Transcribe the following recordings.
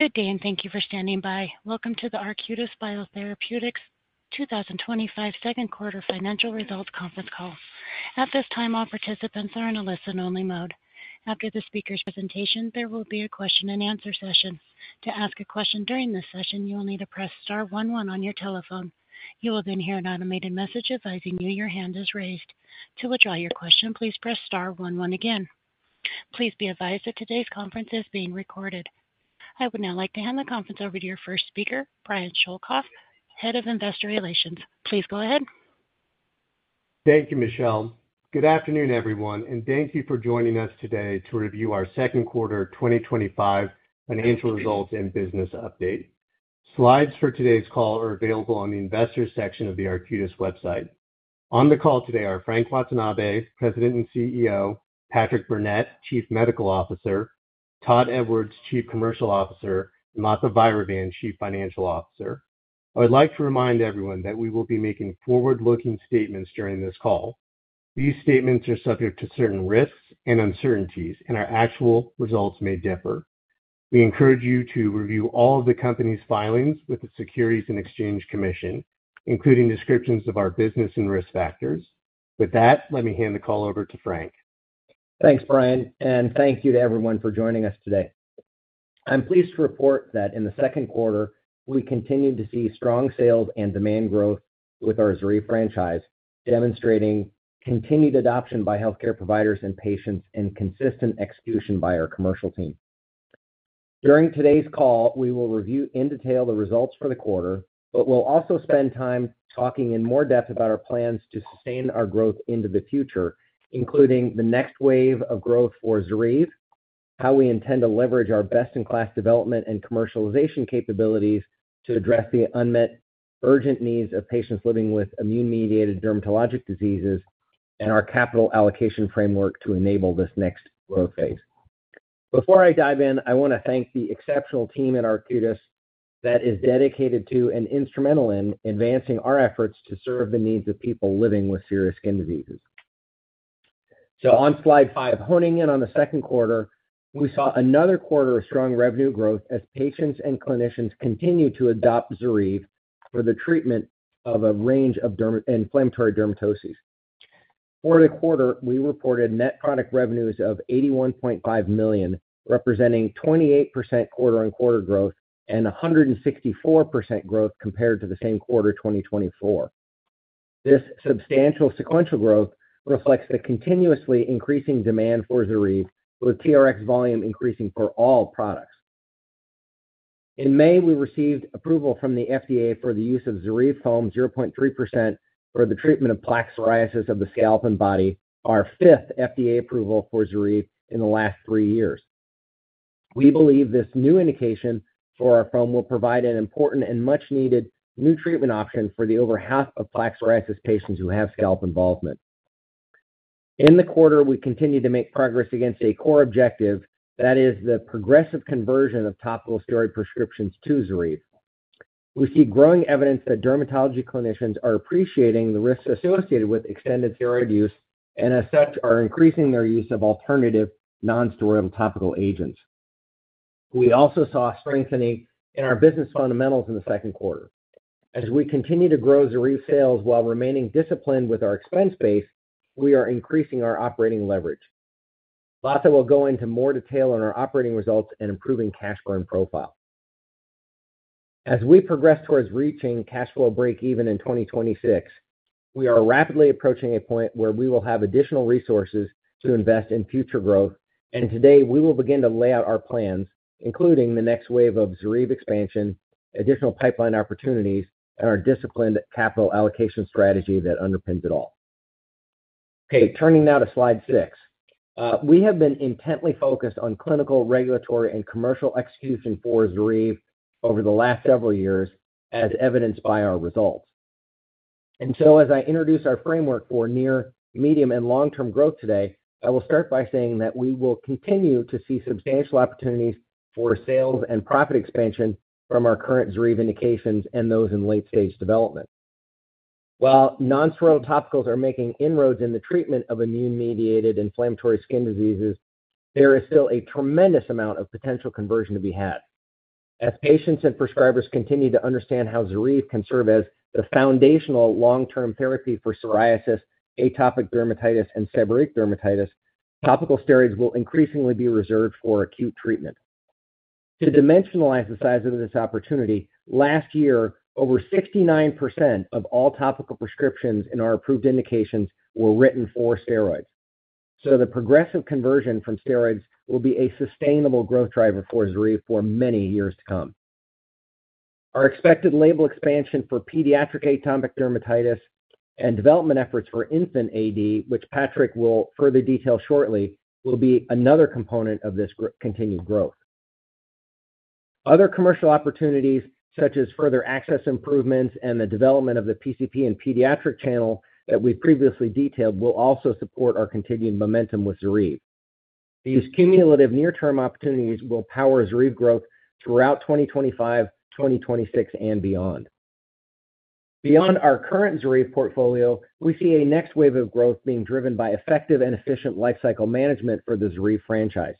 Good day and thank you for standing by. Welcome to the Arcutis Biotherapeutics 2025 second quarter financial results conference call. At this time, all participants are in a listen-only mode. After the speaker's presentation, there will be a question and answer session. To ask a question during this session, you will need to press star one one on your telephone. You will then hear an automated message advising you your hand is raised. To withdraw your question, please press star one one again. Please be advised that today's conference is being recorded. I would now like to hand the conference over to your first speaker, Brian Schoelkopf, Head of Investor Relations. Please go ahead. Thank you, Michelle. Good afternoon, everyone, and thank you for joining us today to review our second quarter 2025 financial results and business update. Slides for today's call are available on the Investors section of the Arcutis website. On the call today are Frank Watanabe, President and CEO, Patrick Burnett, Chief Medical Officer, Todd Edwards, Chief Commercial Officer, and Latha Vairavan, Chief Financial Officer. I would like to remind everyone that we will be making forward-looking statements during this call. These statements are subject to certain risks and uncertainties, and our actual results may differ. We encourage you to review all of the company's filings with the Securities and Exchange Commission, including descriptions of our business and risk factors. With that, let me hand the call over to Frank. Thanks, Brian, and thank you to everyone for joining us today. I'm pleased to report that in the second quarter, we continue to see strong sales and demand growth with our ZORYVE franchise, demonstrating continued adoption by healthcare providers and patients and consistent execution by our commercial team. During today's call, we will review in detail the results for the quarter, but we'll also spend time talking in more depth about our plans to sustain our growth into the future, including the next wave of growth for ZORYVE, how we intend to leverage our best-in-class development and commercialization capabilities to address the unmet, urgent needs of patients living with immune-mediated dermatologic diseases, and our capital allocation framework to enable this next growth phase. Before I dive in, I want to thank the exceptional team at Arcutis that is dedicated to and instrumental in advancing our efforts to serve the needs of people living with serious skin diseases. On slide five, honing in on the second quarter, we saw another quarter of strong revenue growth as patients and clinicians continue to adopt ZORYVE for the treatment of a range of inflammatory dermatoses. For the quarter, we reported net product revenues of $81.5 million, representing 28% quarter-on-quarter growth and 164% growth compared to the same quarter 2024. This substantial sequential growth reflects the continuously increasing demand for ZORYVE, with TRx volume increasing for all products. In May, we received approval from the FDA for the use of ZORYVE foam 0.3% for the treatment of plaque psoriasis of the scalp and body, our fifth FDA approval for ZORYVE in the last three years. We believe this new indication for our foam will provide an important and much-needed new treatment option for the over half of plaque psoriasis patients who have scalp involvement. In the quarter, we continue to make progress against a core objective, that is the progressive conversion of topical steroid prescriptions to ZORYVE. We see growing evidence that dermatology clinicians are appreciating the risks associated with extended steroid use and, as such, are increasing their use of alternative non-steroidal topical agents. We also saw strengthening in our business fundamentals in the second quarter. As we continue to grow ZORYVE sales while remaining disciplined with our expense base, we are increasing our operating leverage. Latha will go into more detail on our operating results and improving cash flow and profile. As we progress towards reaching cash flow break-even in 2026, we are rapidly approaching a point where we will have additional resources to invest in future growth, and today we will begin to lay out our plans, including the next wave of ZORYVE expansion, additional pipeline opportunities, and our disciplined capital allocation strategy that underpins it all. Okay, turning now to slide six. We have been intently focused on clinical, regulatory, and commercial execution for ZORYVE over the last several years, as evidenced by our results. As I introduce our framework for near, medium, and long-term growth today, I will start by saying that we will continue to see substantial opportunities for sales and profit expansion from our current ZORYVE indications and those in late-stage development. While non-steroidal topicals are making inroads in the treatment of immune-mediated inflammatory skin diseases, there is still a tremendous amount of potential conversion to be had. As patients and prescribers continue to understand how ZORYVE can serve as the foundational long-term therapy for psoriasis, atopic dermatitis, and seborrheic dermatitis, topical steroids will increasingly be reserved for acute treatment. To dimensionalize the size of this opportunity, last year, over 69% of all topical prescriptions in our approved indications were written for steroids. The progressive conversion from steroids will be a sustainable growth driver for ZORYVE for many years to come. Our expected label expansion for pediatric atopic dermatitis and development efforts for infant AD, which Patrick will further detail shortly, will be another component of this continued growth. Other commercial opportunities, such as further access improvements and the development of the PCP and pediatric channel that we've previously detailed, will also support our continued momentum with ZORYVE. These cumulative near-term opportunities will power ZORYVE growth throughout 2025, 2026, and beyond. Beyond our current ZORYVE portfolio, we see a next wave of growth being driven by effective and efficient lifecycle management for the ZORYVE franchise.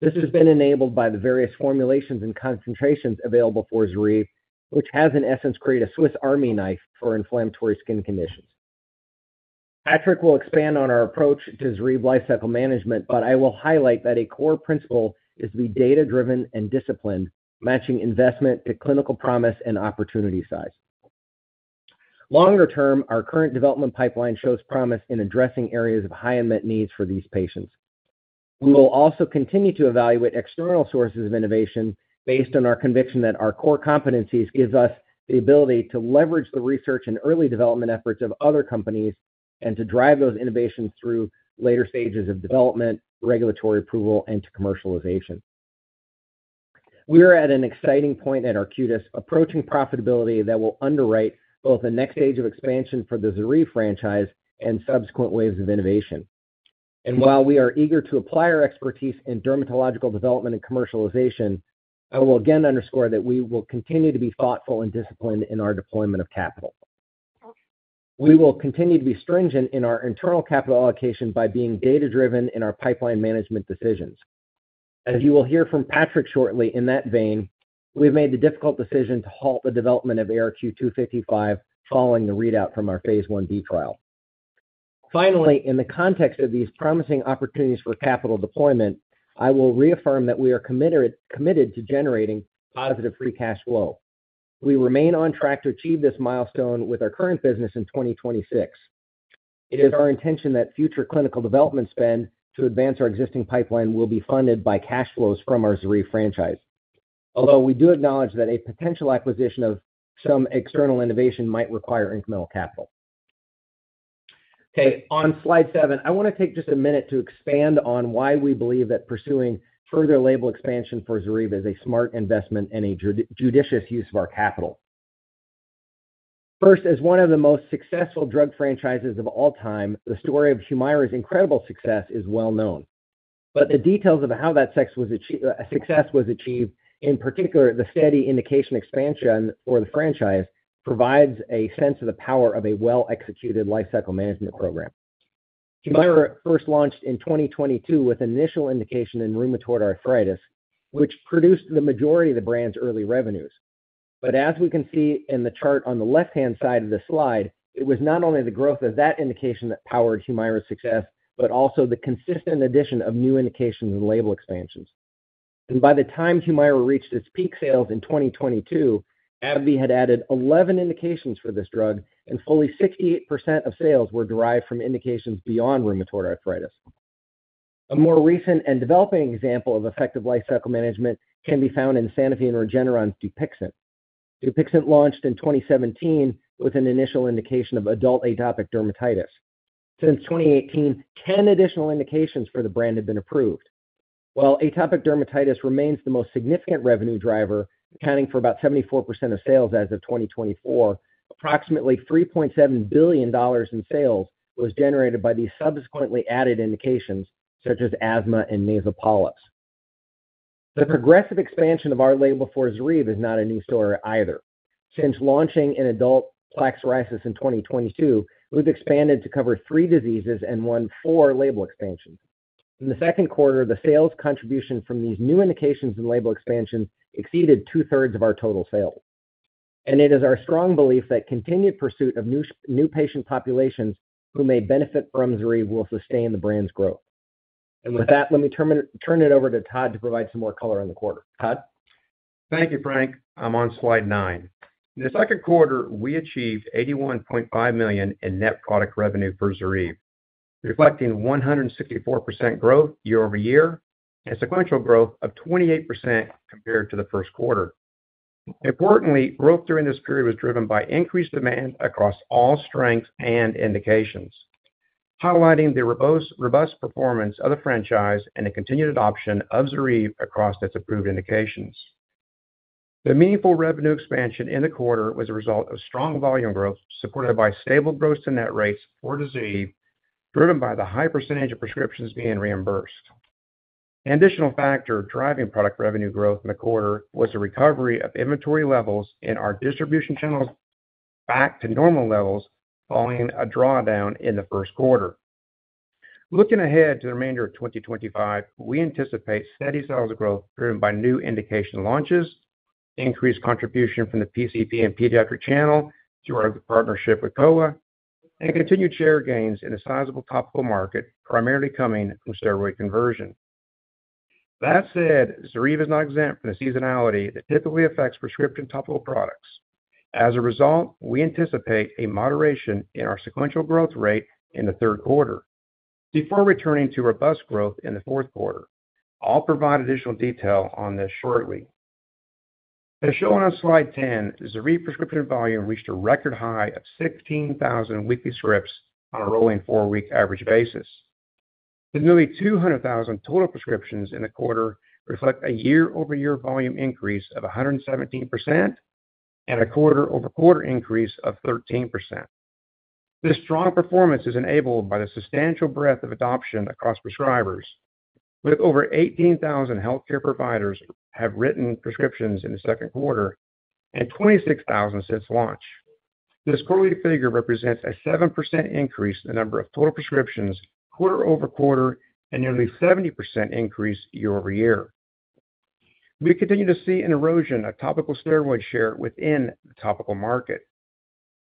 This has been enabled by the various formulations and concentrations available for ZORYVE, which has, in essence, created a Swiss Army knife for inflammatory skin conditions. Patrick will expand on our approach to ZORYVE lifecycle management, but I will highlight that a core principle is to be data-driven and disciplined, matching investment to clinical promise and opportunity size. Longer term, our current development pipeline shows promise in addressing areas of high unmet needs for these patients. We will also continue to evaluate external sources of innovation based on our conviction that our core competencies give us the ability to leverage the research and early development efforts of other companies and to drive those innovations through later stages of development, regulatory approval, and to commercialization. We are at an exciting point at Arcutis, approaching profitability that will underwrite both the next stage of expansion for the ZORYVE franchise and subsequent waves of innovation. While we are eager to apply our expertise in dermatological development and commercialization, I will again underscore that we will continue to be thoughtful and disciplined in our deployment of capital. We will continue to be stringent in our internal capital allocation by being data-driven in our pipeline management decisions. As you will hear from Patrick shortly in that vein, we've made the difficult decision to halt the development of ARQ-255 following the readout from our phase I-B trial. Finally, in the context of these promising opportunities for capital deployment, I will reaffirm that we are committed to generating positive free cash flow. We remain on track to achieve this milestone with our current business in 2026. It is our intention that future clinical development spend to advance our existing pipeline will be funded by cash flows from our ZORYVE franchise, although we do acknowledge that a potential acquisition of some external innovation might require incremental capital. Okay, on slide seven, I want to take just a minute to expand on why we believe that pursuing further label expansion for ZORYVE is a smart investment and a judicious use of our capital. First, as one of the most successful drug franchises of all time, the story of HUMIRA's incredible success is well-known. The details of how that success was achieved, in particular the steady indication expansion for the franchise, provide a sense of the power of a well-executed lifecycle management program. HUMIRA first launched in 2022 with initial indication in rheumatoid arthritis, which produced the majority of the brand's early revenues. As we can see in the chart on the left-hand side of the slide, it was not only the growth of that indication that powered HUMIRA's success, but also the consistent addition of new indications and label expansions. By the time HUMIRA reached its peak sales in 2022, AbbVie had added 11 indications for this drug, and fully 68% of sales were derived from indications beyond rheumatoid arthritis. A more recent and developing example of effective lifecycle management can be found in Sanofi and Regeneron's Dupixent. Dupixent launched in 2017 with an initial indication of adult atopic dermatitis. Since 2018, 10 additional indications for the brand have been approved. While atopic dermatitis remains the most significant revenue driver, accounting for about 74% of sales as of 2024, approximately $3.7 billion in sales was generated by these subsequently added indications, such as asthma and nasal polyps. The progressive expansion of our label for ZORYVE is not a new story either. Since launching in adult plaque psoriasis in 2022, we've expanded to cover three diseases and won four label expansions. In the second quarter, the sales contribution from these new indications and label expansions exceeded 2/3 of our total sales. It is our strong belief that the continued pursuit of new patient populations who may benefit from ZORYVE will sustain the brand's growth. With that, let me turn it over to Todd to provide some more color on the quarter. Todd? Thank you, Frank. I'm on slide nine. In the second quarter, we achieved $81.5 million in net product revenue for ZORYVE, reflecting 164% growth year-over-year and a sequential growth of 28% compared to the first quarter. Importantly, growth during this period was driven by increased demand across all strengths and indications, highlighting the robust performance of the franchise and the continued adoption of ZORYVE across its approved indications. The meaningful revenue expansion in the quarter was a result of strong volume growth, supported by stable gross to net rates for ZORYVE, driven by the high percentage of prescriptions being reimbursed. An additional factor driving product revenue growth in the quarter was the recovery of inventory levels in our distribution channels back to normal levels following a drawdown in the first quarter. Looking ahead to the remainder of 2025, we anticipate steady sales growth driven by new indication launches, increased contribution from the PCP and pediatric channel through our partnership with Kowa, and continued share gains in a sizable topical market, primarily coming from steroid conversion. That said, ZORYVE is not exempt from the seasonality that typically affects prescription topical products. As a result, we anticipate a moderation in our sequential growth rate in the third quarter before returning to robust growth in the fourth quarter. I'll provide additional detail on this shortly. As shown on slide 10, ZORYVE prescription volume reached a record high of 16,000 weekly scripts on a rolling four-week average basis. The nearly 200,000 total prescriptions in the quarter reflect a year-over-year volume increase of 117% and a quarter-over-quarter increase of 13%. This strong performance is enabled by the substantial breadth of adoption across prescribers, with over 18,000 healthcare providers having written prescriptions in the second quarter and 26,000 since launch. This quarterly figure represents a 7% increase in the number of total prescriptions quarter-over-quarter and nearly a 70% increase year-over-year. We continue to see an erosion of topical steroid share within the topical market.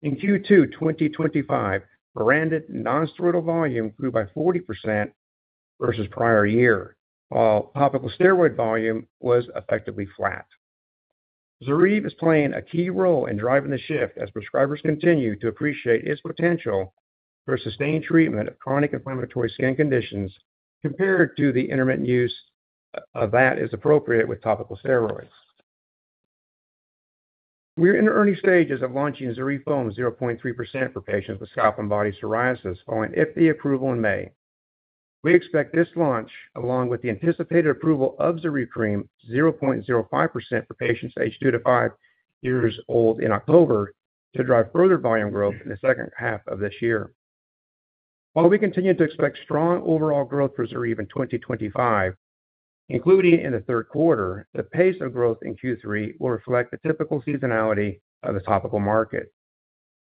In Q2 2025, branded non-steroidal volume grew by 40% versus prior year, while topical steroid volume was effectively flat. ZORYVE is playing a key role in driving the shift as prescribers continue to appreciate its potential for sustained treatment of chronic inflammatory skin conditions compared to the intermittent use that is appropriate with topical steroids. We are in the early stages of launching ZORYVE foam 0.3% for patients with scalp and body psoriasis following FDA approval in May. We expect this launch, along with the anticipated approval of ZORYVE cream 0.05% for patients aged two to five years old in October, to drive further volume growth in the second half of this year. While we continue to expect strong overall growth for ZORYVE in 2025, including in the third quarter, the pace of growth in Q3 will reflect the typical seasonality of the topical market.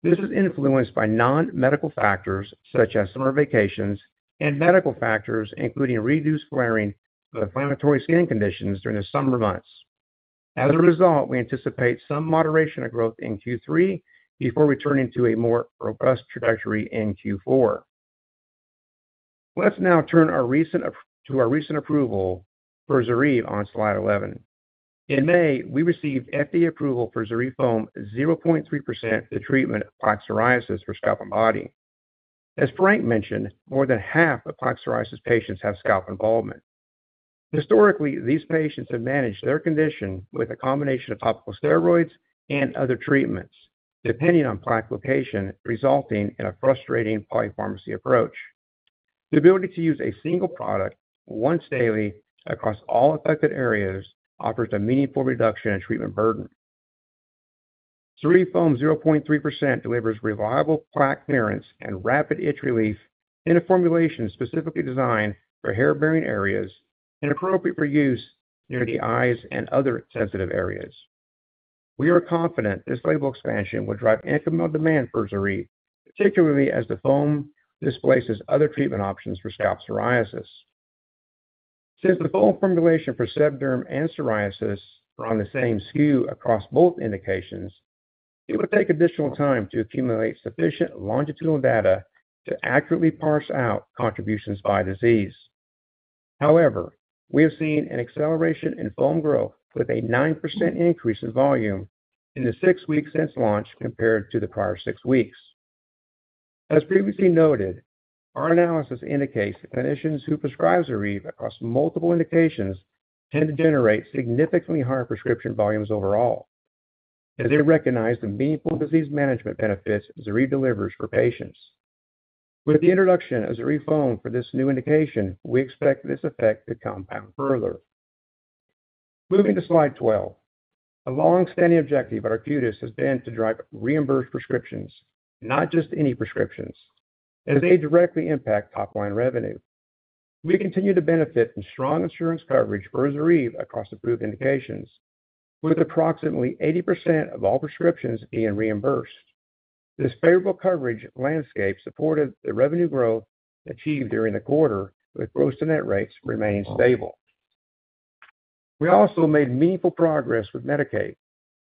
This is influenced by non-medical factors such as summer vacations and medical factors, including reduced flaring of inflammatory skin conditions during the summer months. As a result, we anticipate some moderation of growth in Q3 before returning to a more robust trajectory in Q4. Let's now turn to our recent approval for ZORYVE on slide 11. In May, we received FDA approval for ZORYVE foam 0.3% for the treatment of plaque psoriasis for scalp and body. As Frank mentioned, more than half of plaque psoriasis patients have scalp involvement. Historically, these patients have managed their condition with a combination of topical steroids and other treatments, depending on plaque location, resulting in a frustrating polypharmacy approach. The ability to use a single product once daily across all affected areas offers a meaningful reduction in treatment burden. ZORYVE foam 0.3% delivers reliable plaque clearance and rapid itch relief in a formulation specifically designed for hair-bearing areas and appropriate for use near the eyes and other sensitive areas. We are confident this label expansion will drive incremental demand for ZORYVE, particularly as the foam displaces other treatment options for scalp psoriasis. Since the foam formulation for seb derm and psoriasis are on the same SKU across both indications, it will take additional time to accumulate sufficient longitudinal data to accurately parse out contributions by disease. However, we have seen an acceleration in foam growth with a 9% increase in volume in the six weeks since launch compared to the prior six weeks. As previously noted, our analysis indicates that clinicians who prescribe ZORYVE across multiple indications tend to generate significantly higher prescription volumes overall, as they recognize the meaningful disease management benefits ZORYVE delivers for patients. With the introduction of ZORYVE foam for this new indication, we expect this effect to compound further. Moving to slide 12, a longstanding objective at Arcutis has been to drive reimbursed prescriptions, not just any prescriptions, as they directly impact top-line revenue. We continue to benefit from strong insurance coverage for ZORYVE across approved indications, with approximately 80% of all prescriptions being reimbursed. This favorable coverage landscape supported the revenue growth achieved during the quarter, with gross-to-net rates remaining stable. We also made meaningful progress with Medicaid,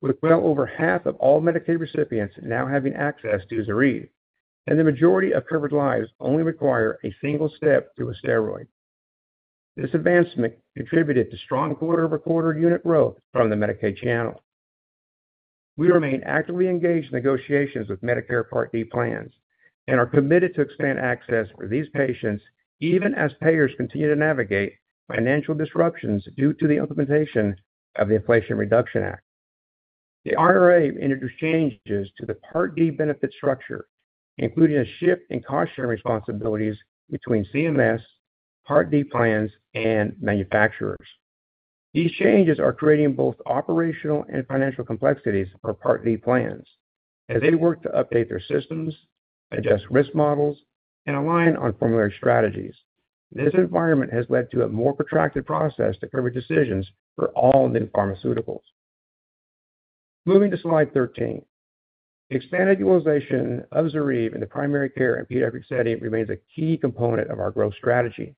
with well over half of all Medicaid recipients now having access to ZORYVE, and the majority of covered lives only requiring a single step to a steroid. This advancement contributed to strong quarter-over-quarter unit growth from the Medicaid channel. We remain actively engaged in negotiations with Medicare Part D plans and are committed to expand access for these patients, even as payers continue to navigate financial disruptions due to the implementation of the Inflation Reduction Act. The IRA introduced changes to the Part D benefit structure, including a shift in cost-sharing responsibilities between CMS, Part D plans, and manufacturers. These changes are creating both operational and financial complexities for Part D plans, as they work to update their systems, adjust risk models, and align on formulary strategies. This environment has led to a more protracted process to cover decisions for all new pharmaceuticals. Moving to slide 13, expanded utilization of ZORYVE in the primary care and pediatric setting remains a key component of our growth strategy,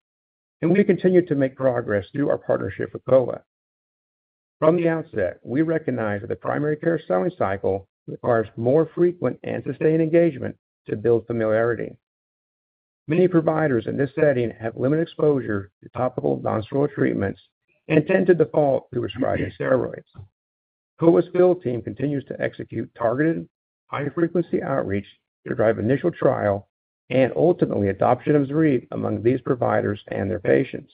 and we continue to make progress through our partnership with Kowa. From the outset, we recognize that the primary care selling cycle requires more frequent and sustained engagement to build familiarity. Many providers in this setting have limited exposure to topical non-steroidal treatments and tend to default to prescribing steroids. Kowa's skilled team continues to execute targeted high-frequency outreach to drive initial trial and ultimately adoption of ZORYVE among these providers and their patients.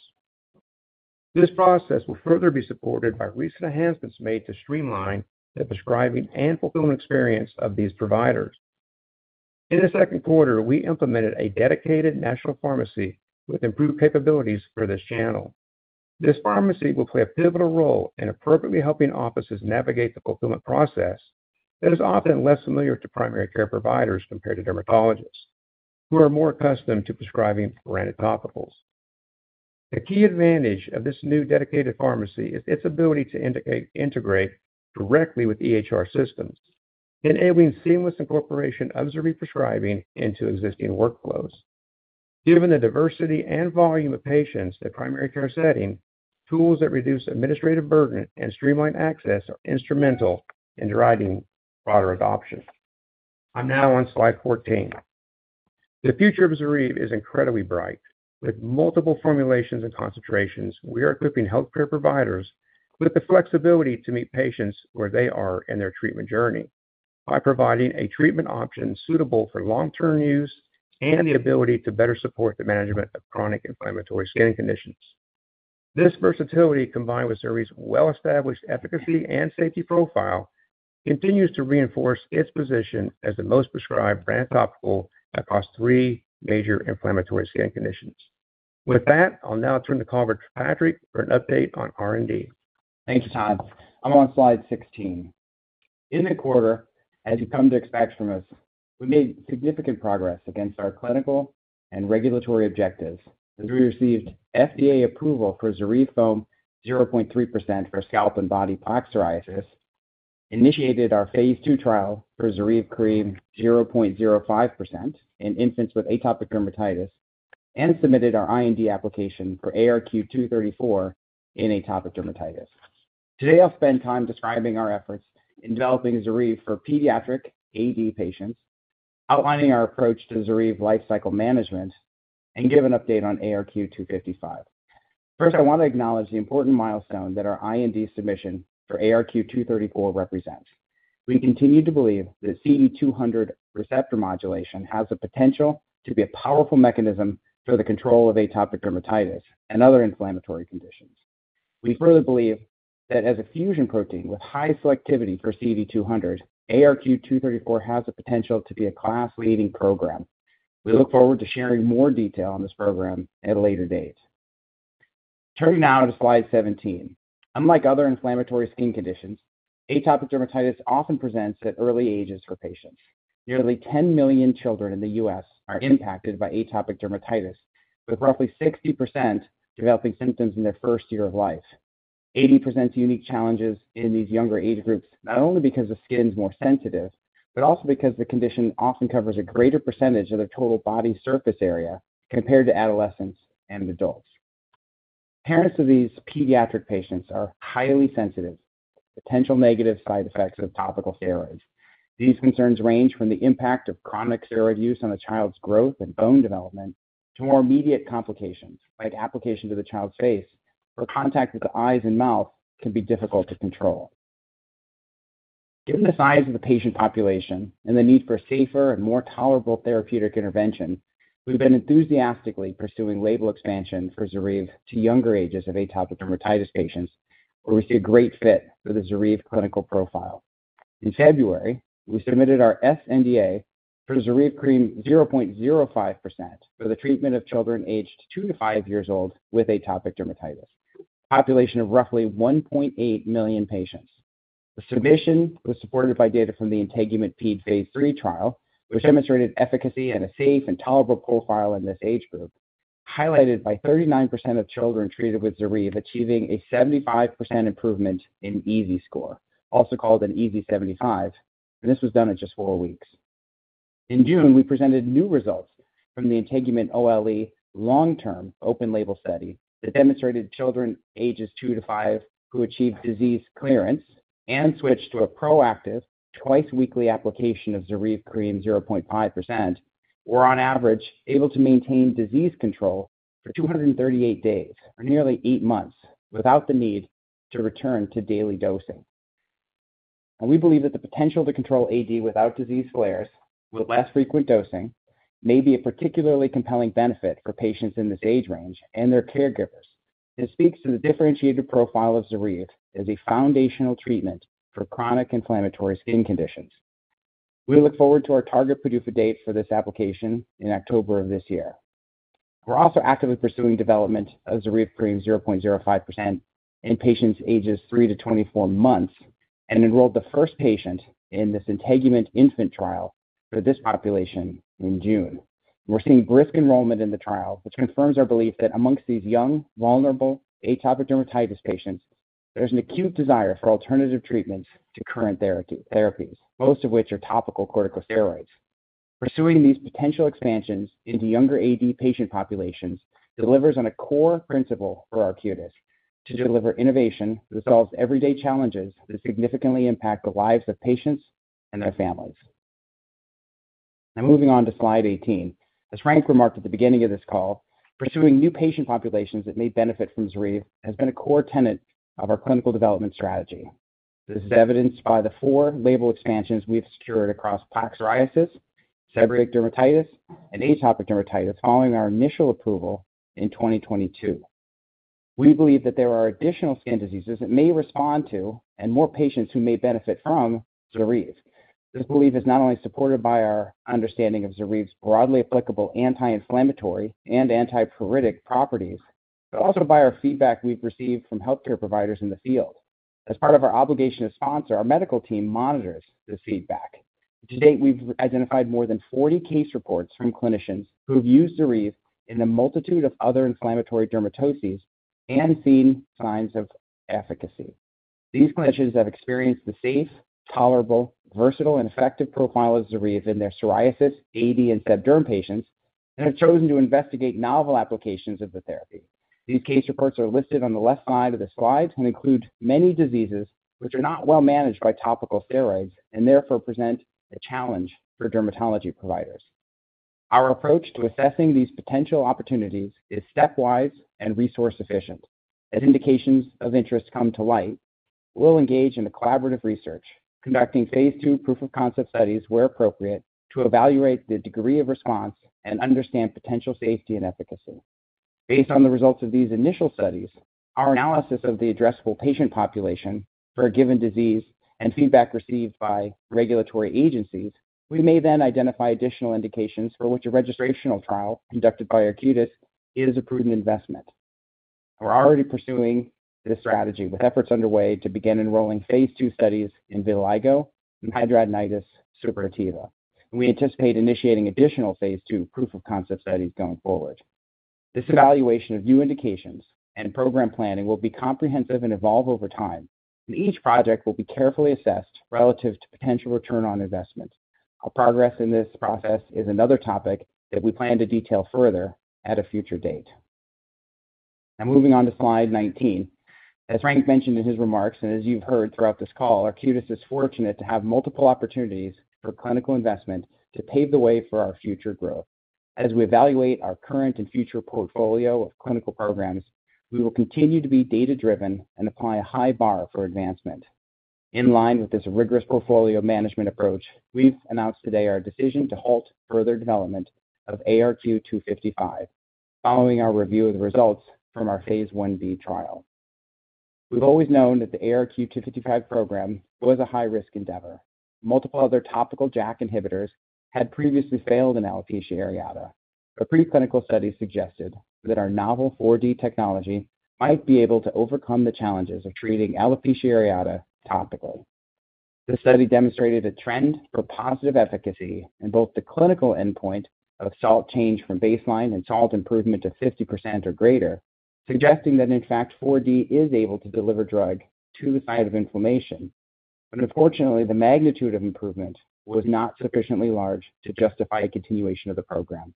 This process will further be supported by recent enhancements made to streamline the prescribing and fulfillment experience of these providers. In the second quarter, we implemented a dedicated national pharmacy with improved capabilities for this channel. This pharmacy will play a pivotal role in appropriately helping offices navigate the fulfillment process that is often less familiar to primary care providers compared to dermatologists, who are more accustomed to prescribing branded topicals. A key advantage of this new dedicated pharmacy is its ability to integrate directly with EHR systems, enabling seamless incorporation of ZORYVE prescribing into existing workflows. Given the diversity and volume of patients in the primary care setting, tools that reduce administrative burden and streamline access are instrumental in driving broader adoption. I'm now on slide 14. The future of ZORYVE is incredibly bright. With multiple formulations and concentrations, we are equipping healthcare providers with the flexibility to meet patients where they are in their treatment journey by providing a treatment option suitable for long-term use and the ability to better support the management of chronic inflammatory skin conditions. This versatility, combined with ZORYVE's well-established efficacy and safety profile, continues to reinforce its position as the most prescribed brand topical across three major inflammatory skin conditions. With that, I'll now turn the call over to Patrick for an update on R&D. Thank you, Todd. I'm on slide 16. In the quarter, as you've come to expect from us, we made significant progress against our clinical and regulatory objectives, and we received FDA approval for ZORYVE foam 0.3% for scalp and body plaque psoriasis, initiated our phase II trial for ZORYVE cream 0.05% in infants with atopic dermatitis, and submitted our IND application for ARQ-234 in atopic dermatitis. Today, I'll spend time describing our efforts in developing ZORYVE for pediatric AD patients, outlining our approach to ZORYVE lifecycle management, and give an update on ARQ-255. First, I want to acknowledge the important milestone that our IND submission for ARQ-234 represents. We continue to believe that CD200 receptor modulation has the potential to be a powerful mechanism for the control of atopic dermatitis and other inflammatory conditions. We further believe that as a fusion protein with high selectivity for CD200, ARQ-234 has the potential to be a class-leading program. We look forward to sharing more detail on this program at a later date. Turning now to slide 17. Unlike other inflammatory skin conditions, atopic dermatitis often presents at early ages for patients. Nearly 10 million children in the U.S. are impacted by atopic dermatitis, with roughly 60% developing symptoms in their first year of life. AD presents unique challenges in these younger age groups, not only because the skin is more sensitive, but also because the condition often covers a greater percentage of the total body surface area compared to adolescents and adults. Parents of these pediatric patients are highly sensitive to potential negative side effects of topical steroids. These concerns range from the impact of chronic steroid use on the child's growth and bone development to more immediate complications, like application to the child's face, where contact with the eyes and mouth can be difficult to control. Given the size of the patient population and the need for safer and more tolerable therapeutic interventions, we've been enthusiastically pursuing label expansion for ZORYVE to younger ages of atopic dermatitis patients, where we see a great fit for the ZORYVE clinical profile. In February, we submitted our sNDA for ZORYVE cream 0.05% for the treatment of children aged two to five years old with atopic dermatitis, a population of roughly 1.8 million patients. The submission was supported by data from the INTEGUMENT-PED phase III trial, which demonstrated efficacy and a safe and tolerable profile in this age group, highlighted by 39% of children treated with ZORYVE achieving a 75% improvement in EASI score, also called an EASI-75. This was done at just four weeks. In June, we presented new results from the INTEGUMENT-OLE long-term open-label study that demonstrated children ages two to five who achieved disease clearance and switched to a proactive twice-weekly application of ZORYVE cream 0.05% were on average able to maintain disease control for 238 days, or nearly eight months, without the need to return to daily dosing. We believe that the potential to control AD without disease flares with less frequent dosing may be a particularly compelling benefit for patients in this age range and their caregivers. This speaks to the differentiated profile of ZORYVE as a foundational treatment for chronic inflammatory skin conditions. We look forward to our target PDUFA dates for this application in October of this year. We're also actively pursuing development of ZORYVE cream 0.05% in patients ages three to 24 months and enrolled the first patient in this INTEGUMENT infant trial for this population in June. We're seeing brisk enrollment in the trial, which confirms our belief that among these young, vulnerable atopic dermatitis patients, there's an acute desire for alternative treatments to current therapies, most of which are topical corticosteroids. Pursuing these potential expansions into younger AD patient populations delivers on a core principle for Arcutis: to deliver innovation that solves everyday challenges that significantly impact the lives of patients and their families. Now, moving on to slide 18. As Frank remarked at the beginning of this call, pursuing new patient populations that may benefit from ZORYVE has been a core tenet of our clinical development strategy. This is evidenced by the four label expansions we've secured across plaque psoriasis, seborrheic dermatitis, and atopic dermatitis following our initial approval in 2022. We believe that there are additional skin diseases that may respond to and more patients who may benefit from ZORYVE. This belief is not only supported by our understanding of ZORYVE's broadly applicable anti-inflammatory and anti-pruritic properties, but also by feedback we've received from healthcare providers in the field. As part of our obligation to sponsor, our medical team monitors this feedback. To date, we've identified more than 40 case reports from clinicians who've used ZORYVE in a multitude of other inflammatory dermatoses and seen signs of efficacy. These clinicians have experienced the safe, tolerable, versatile, and effective profile of ZORYVE in their psoriasis, AD, and seb derm patients and have chosen to investigate novel applications of the therapy. These case reports are listed on the left side of the slide and include many diseases which are not well-managed by topical steroids and therefore present a challenge for dermatology providers. Our approach to assessing these potential opportunities is stepwise and resource-efficient. As indications of interest come to light, we'll engage in collaborative research, conducting phase II proof-of-concept studies where appropriate to evaluate the degree of response and understand potential safety and efficacy. Based on the results of these initial studies, our analysis of the addressable patient population for a given disease, and feedback received by regulatory agencies, we may then identify additional indications for which a registrational trial conducted by Arcutis is a prudent investment. We're already pursuing this strategy with efforts underway to begin enrolling phase II studies in vitiligo and hidradenitis suppurativa. We anticipate initiating additional phase II proof-of-concept studies going forward. This evaluation of new indications and program planning will be comprehensive and evolve over time, and each project will be carefully assessed relative to potential return on investment. Our progress in this process is another topic that we plan to detail further at a future date. Now, moving on to slide 19. As Frank mentioned in his remarks and as you've heard throughout this call, Arcutis is fortunate to have multiple opportunities for clinical investment to pave the way for our future growth. As we evaluate our current and future portfolio of clinical programs, we will continue to be data-driven and apply a high bar for advancement. In line with this rigorous portfolio management approach, we've announced today our decision to halt further development of ARQ-255 following our review of the results from our phase I-B trial. We've always known that the ARQ-255 program was a high-risk endeavor. Multiple other topical JAK inhibitors had previously failed in alopecia areata, but preclinical studies suggested that our novel 4D technology might be able to overcome the challenges of treating alopecia areata topically. This study demonstrated a trend for positive efficacy in both the clinical endpoint of SALT change from baseline and SALT improvement to 50% or greater, suggesting that, in fact, 4D is able to deliver drug to the site of inflammation. Unfortunately, the magnitude of improvement was not sufficiently large to justify a continuation of the program.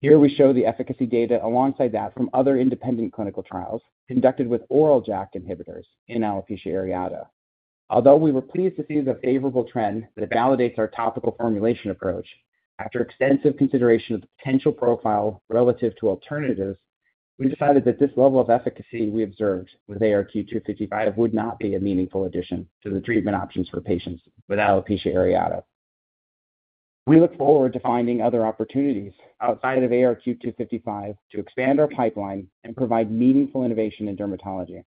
Here we show the efficacy data alongside that from other independent clinical trials conducted with oral JAK inhibitors in alopecia areata. Although we were pleased that these are a favorable trend that validates our topical formulation approach, after extensive consideration of the potential profile relative to alternatives, we decided that this level of efficacy we observed with ARQ-255 would not be a meaningful addition to the treatment options for patients with alopecia areata. We look forward to finding other opportunities outside of ARQ-255 to expand our pipeline and provide meaningful innovation in dermatology.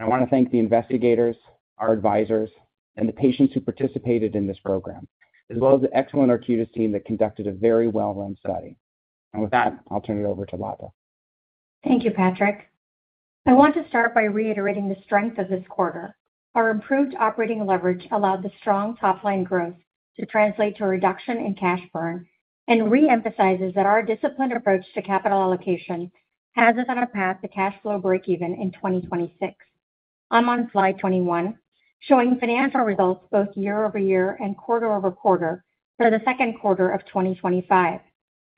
I want to thank the investigators, our advisors, and the patients who participated in this program, as well as the excellent Arcutis team that conducted a very well-run study. With that, I'll turn it over to Latha. Thank you, Patrick. I want to start by reiterating the strength of this quarter. Our improved operating leverage allowed the strong top-line growth to translate to a reduction in cash burn and re-emphasizes that our disciplined approach to capital allocation has us on a path to cash flow break-even in 2026. I'm on slide 21, showing financial results both year-over-year and quarter-over-quarter for the second quarter of 2025.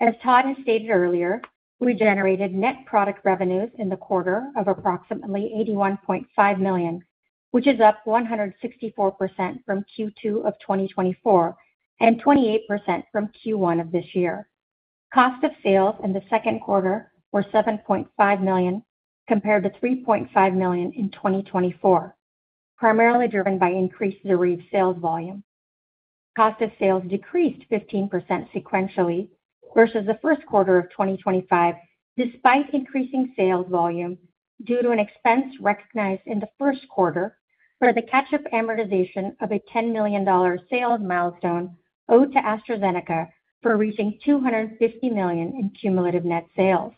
As Todd had stated earlier, we generated net product revenues in the quarter of approximately $81.5 million, which is up 164% from Q2 of 2024 and 28% from Q1 of this year. Cost of sales in the second quarter were $7.5 million compared to $3.5 million in 2024, primarily driven by increased ZORYVE sales volume. Cost of sales decreased 15% sequentially versus the first quarter of 2025, despite increasing sales volume due to an expense recognized in the first quarter for the catch-up amortization of a $10 million sales milestone owed to AstraZeneca for reaching $250 million in cumulative net sales.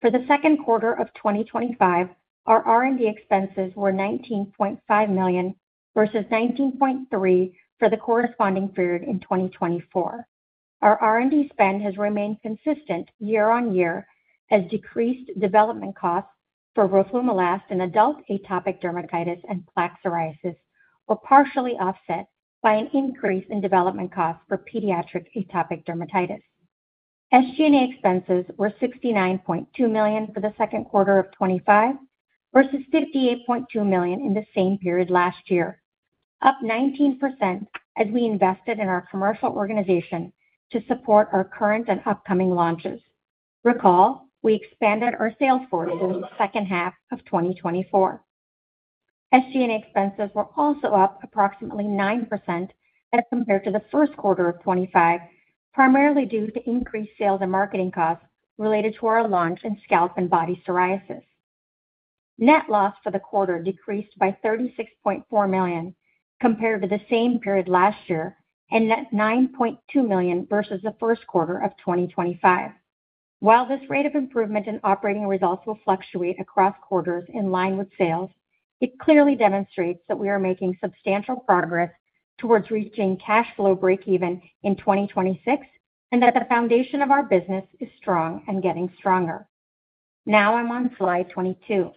For the second quarter of 2025, our R&D expenses were $19.5 million versus $19.3 million for the corresponding period in 2024. Our R&D spend has remained consistent year on year as decreased development costs for roflumilast in adult atopic dermatitis and plaque psoriasis were partially offset by an increase in development costs for pediatric atopic dermatitis. SG&A expenses were $69.2 million for the second quarter of 2025 versus $58.2 million in the same period last year, up 19% as we invested in our commercial organization to support our current and upcoming launches. Recall, we expanded our sales force in the second half of 2024. SG&A expenses were also up approximately 9% as compared to the first quarter of 2025, primarily due to increased sales and marketing costs related to our launch in scalp and body psoriasis. Net loss for the quarter decreased by $36.4 million compared to the same period last year and net $9.2 million versus the first quarter of 2025. While this rate of improvement in operating results will fluctuate across quarters in line with sales, it clearly demonstrates that we are making substantial progress towards reaching cash flow break-even in 2026 and that the foundation of our business is strong and getting stronger. Now I'm on slide 22.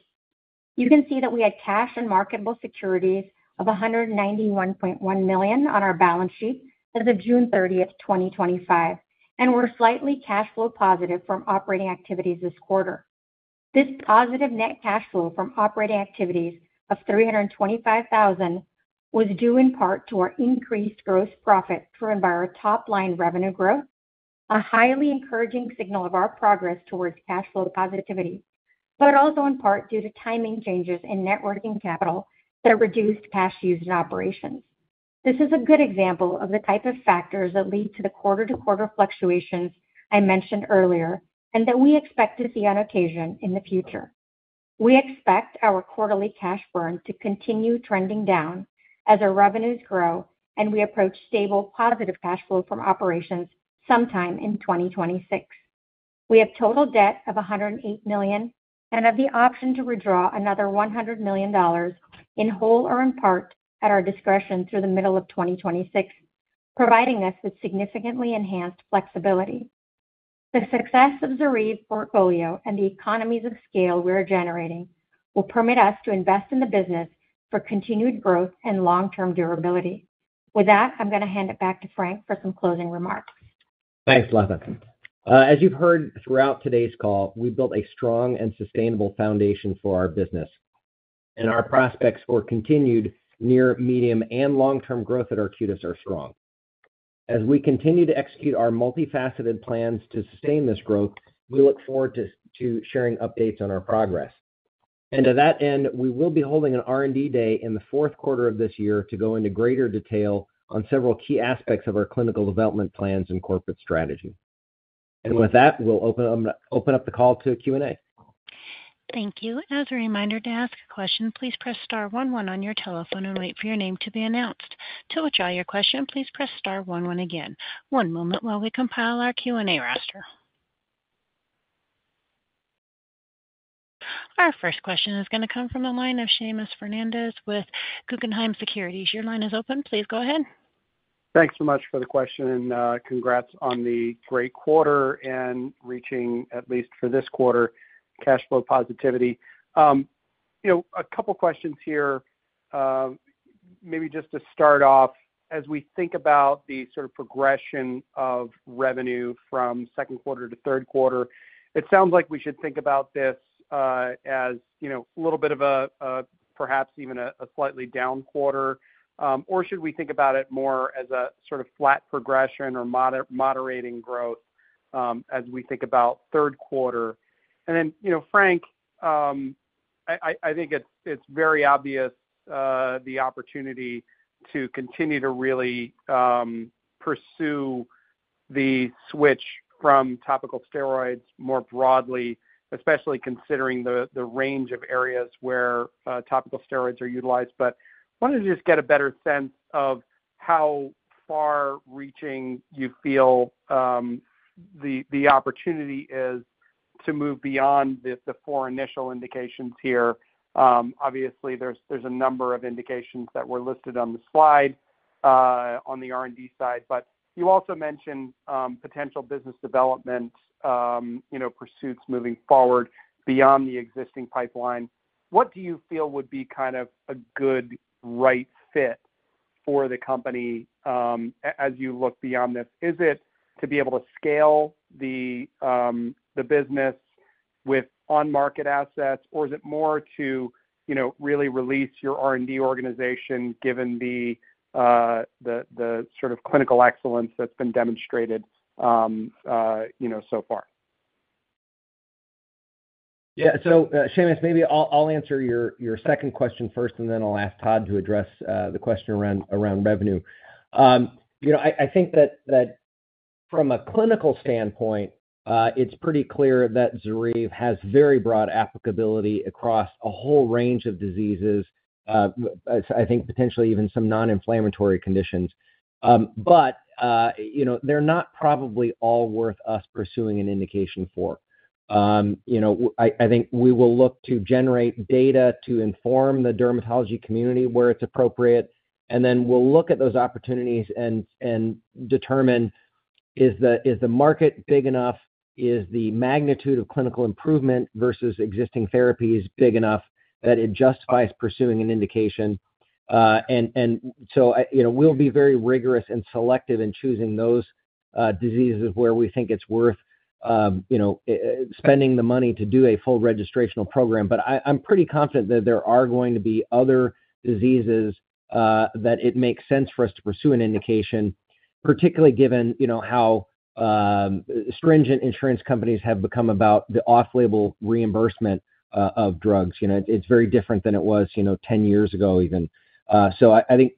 You can see that we had cash and marketable securities of $191.1 million on our balance sheet as of June 30, 2025, and we're slightly cash flow positive from operating activities this quarter. This positive net cash flow from operating activities of $325,000 was due in part to our increased gross profit driven by our top-line revenue growth, a highly encouraging signal of our progress towards cash flow positivity, but also in part due to timing changes in net working capital that reduced cash used in operations. This is a good example of the type of factors that lead to the quarter-to-quarter fluctuations I mentioned earlier and that we expect to see on occasion in the future. We expect our quarterly cash burn to continue trending down as our revenues grow and we approach stable positive cash flow from operations sometime in 2026. We have total debt of $108 million and have the option to withdraw another $100 million in whole or in part at our discretion through the middle of 2026, providing us with significantly enhanced flexibility. The success of ZORYVE's portfolio and the economies of scale we're generating will permit us to invest in the business for continued growth and long-term durability. With that, I'm going to hand it back to Frank for some closing remarks. Thanks, Latha. As you've heard throughout today's call, we built a strong and sustainable foundation for our business, and our prospects for continued near, medium, and long-term growth at Arcutis are strong. As we continue to execute our multifaceted plans to sustain this growth, we look forward to sharing updates on our progress. To that end, we will be holding an R&D day in the fourth quarter of this year to go into greater detail on several key aspects of our clinical development plans and corporate strategy. With that, we'll open up the call to Q&A. Thank you. As a reminder, to ask a question, please press star one one on your telephone and wait for your name to be announced. To withdraw your question, please press star one one again. One moment while we compile our Q&A roster. Our first question is going to come from a line of Seamus Fernandez with Guggenheim Securities. Your line is open. Please go ahead. Thanks so much for the question and congrats on the great quarter and reaching, at least for this quarter, cash flow positivity. A couple of questions here. Maybe just to start off, as we think about the sort of progression of revenue from second quarter to third quarter, it sounds like we should think about this as a little bit of a perhaps even a slightly down quarter, or should we think about it more as a sort of flat progression or moderating growth as we think about third quarter? Frank, I think it's very obvious the opportunity to continue to really pursue the switch from topical steroids more broadly, especially considering the range of areas where topical steroids are utilized. I wanted to just get a better sense of how far-reaching you feel the opportunity is to move beyond the four initial indications here. Obviously, there's a number of indications that were listed on the slide on the R&D side, but you also mentioned potential business development pursuits moving forward beyond the existing pipeline. What do you feel would be kind of a good right fit for the company as you look beyond this? Is it to be able to scale the business with on-market assets, or is it more to really release your R&D organization given the sort of clinical excellence that's been demonstrated so far? Yeah. Seamus, maybe I'll answer your second question first, and then I'll ask Todd to address the question around revenue. I think that from a clinical standpoint, it's pretty clear that ZORYVE has very broad applicability across a whole range of diseases, I think potentially even some non-inflammatory conditions. They're not probably all worth us pursuing an indication for. I think we will look to generate data to inform the dermatology community where it's appropriate, and then we'll look at those opportunities and determine is the market big enough, is the magnitude of clinical improvement versus existing therapies big enough that it justifies pursuing an indication. We'll be very rigorous and selective in choosing those diseases where we think it's worth spending the money to do a full registrational program. I'm pretty confident that there are going to be other diseases that it makes sense for us to pursue an indication, particularly given how stringent insurance companies have become about the off-label reimbursement of drugs. It's very different than it was 10 years ago even. I think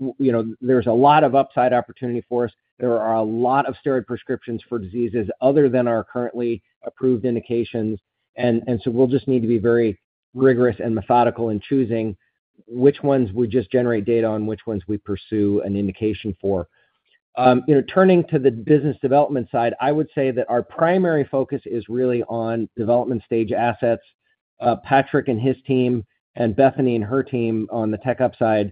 there's a lot of upside opportunity for us. There are a lot of steroid prescriptions for diseases other than our currently approved indications. We'll just need to be very rigorous and methodical in choosing which ones we just generate data on, which ones we pursue an indication for. Turning to the business development side, I would say that our primary focus is really on development stage assets. Patrick and his team and Bethany and her team on the tech upside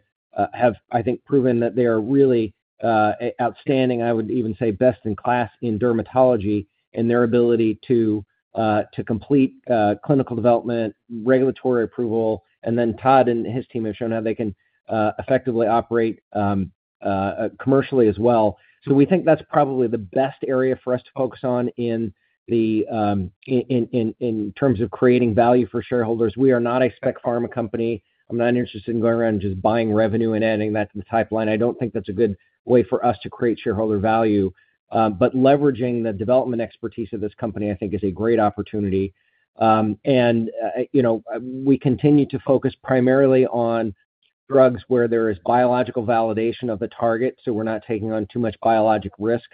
have, I think, proven that they are really outstanding, I would even say best in class in dermatology in their ability to complete clinical development, regulatory approval, and then Todd and his team have shown how they can effectively operate commercially as well. We think that's probably the best area for us to focus on in terms of creating value for shareholders. We are not a spec pharma company. I'm not interested in going around and just buying revenue and adding that to the pipeline. I don't think that's a good way for us to create shareholder value. Leveraging the development expertise of this company, I think, is a great opportunity. We continue to focus primarily on drugs where there is biological validation of the target, so we're not taking on too much biologic risk,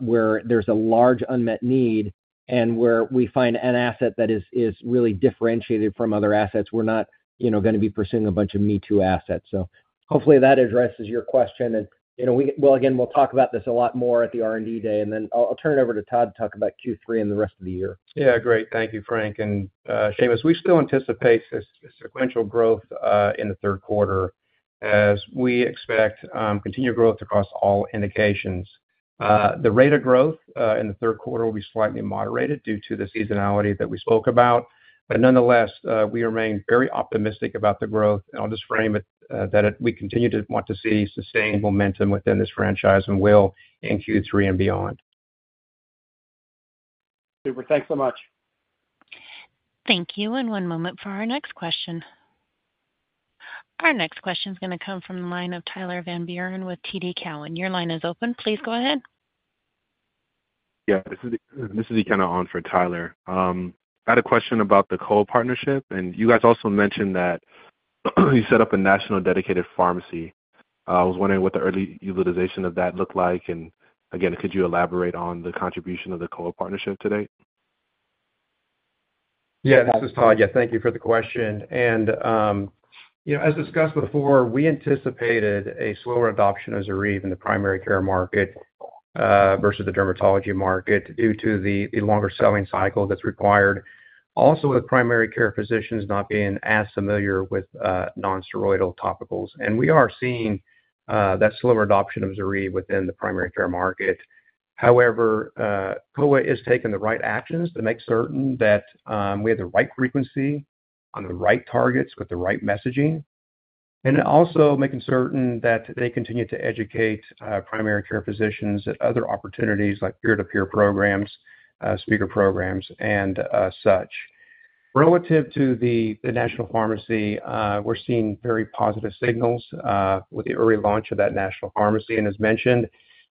where there's a large unmet need and where we find an asset that is really differentiated from other assets. We're not going to be pursuing a bunch of me-too assets. Hopefully that addresses your question. We'll talk about this a lot more at the R&D Day, and then I'll turn it over to Todd to talk about Q3 and the rest of the year. Thank you, Frank. Seamus, we still anticipate sequential growth in the third quarter as we expect continued growth across all indications. The rate of growth in the third quarter will be slightly moderated due to the seasonality that we spoke about. Nonetheless, we remain very optimistic about the growth. I'll just frame it that we continue to want to see sustained momentum within this franchise and will in Q3 and beyond. Super. Thanks so much. Thank you. One moment for our next question. Our next question is going to come from the line of Tyler Van Buren with TD Cowen. Your line is open. Please go ahead. Yeah, this is on for Tyler. I had a question about the Kowa partnership, and you guys also mentioned that you set up a national dedicated pharmacy. I was wondering what the early utilization of that looked like. Could you elaborate on the contribution of the Kowa partnership today? Yeah, this is Todd. Thank you for the question. As discussed before, we anticipated a slower adoption of ZORYVE in the primary care market versus the dermatology market due to the longer selling cycle that's required, also with primary care physicians not being as familiar with non-steroidal topicals. We are seeing that slower adoption of ZORYVE within the primary care market. However, Kowa is taking the right actions to make certain that we have the right frequency on the right targets with the right messaging and also making certain that they continue to educate primary care physicians at other opportunities like peer-to-peer programs, speaker programs, and such. Relative to the national pharmacy, we're seeing very positive signals with the early launch of that national pharmacy. As mentioned,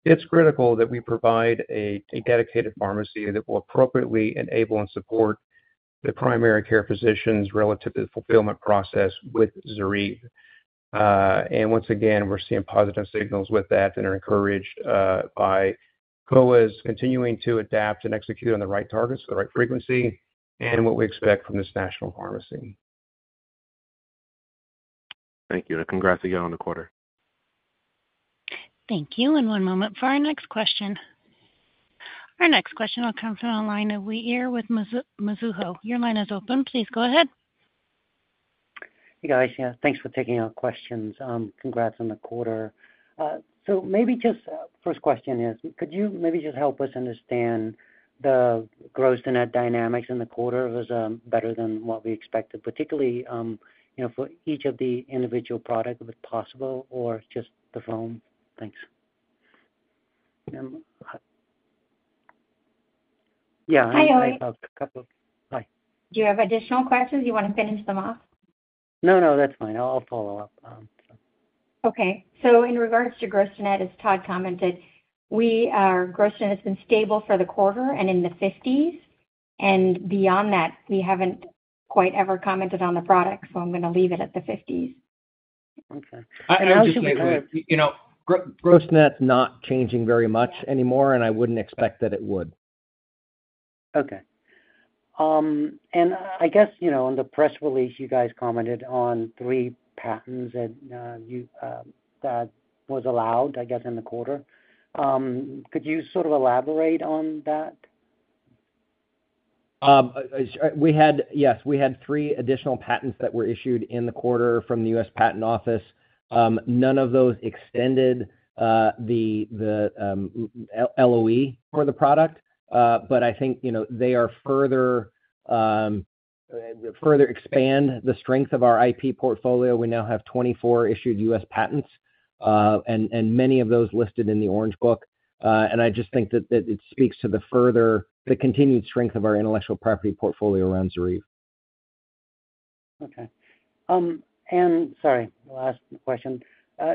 it's critical that we provide a dedicated pharmacy that will appropriately enable and support the primary care physicians relative to the fulfillment process with ZORYVE. Once again, we're seeing positive signals with that and are encouraged by Kowa's continuing to adapt and execute on the right targets for the right frequency and what we expect from this national pharmacy. Thank you, and congrats again on the quarter. Thank you. One moment for our next question. Our next question will come from the line of Uy Ear with Mizuho. Your line is open. Please go ahead. Hey, guys. Thanks for taking our questions. Congrats on the quarter. Could you maybe just help us understand the growth and the dynamics in the quarter? It was better than what we expected, particularly for each of the individual products if it's possible, or just the foam. Thanks. Hi, Uy Ear. Hi. Do you have additional questions? You want to finish them off? No, that's fine. I'll follow up. Okay. In regards to gross net, as Todd commented, our gross net has been stable for the quarter and in the 50%. Beyond that, we haven't quite ever commented on the product, so I'm going to leave it at the 50%. Gross net's not changing very much anymore, and I wouldn't expect that it would. Okay. On the press release, you guys commented on three patents that was allowed, I guess, in the quarter. Could you sort of elaborate on that? Yes, we had three additional patents that were issued in the quarter from the U.S. Patent Office. None of those extended the LOE for the product. I think they further expand the strength of our IP portfolio. We now have 24 issued U.S. patents, and many of those listed in the Orange Book. I just think that it speaks to the further continued strength of our intellectual property portfolio around ZORYVE. Okay. Sorry, the last question.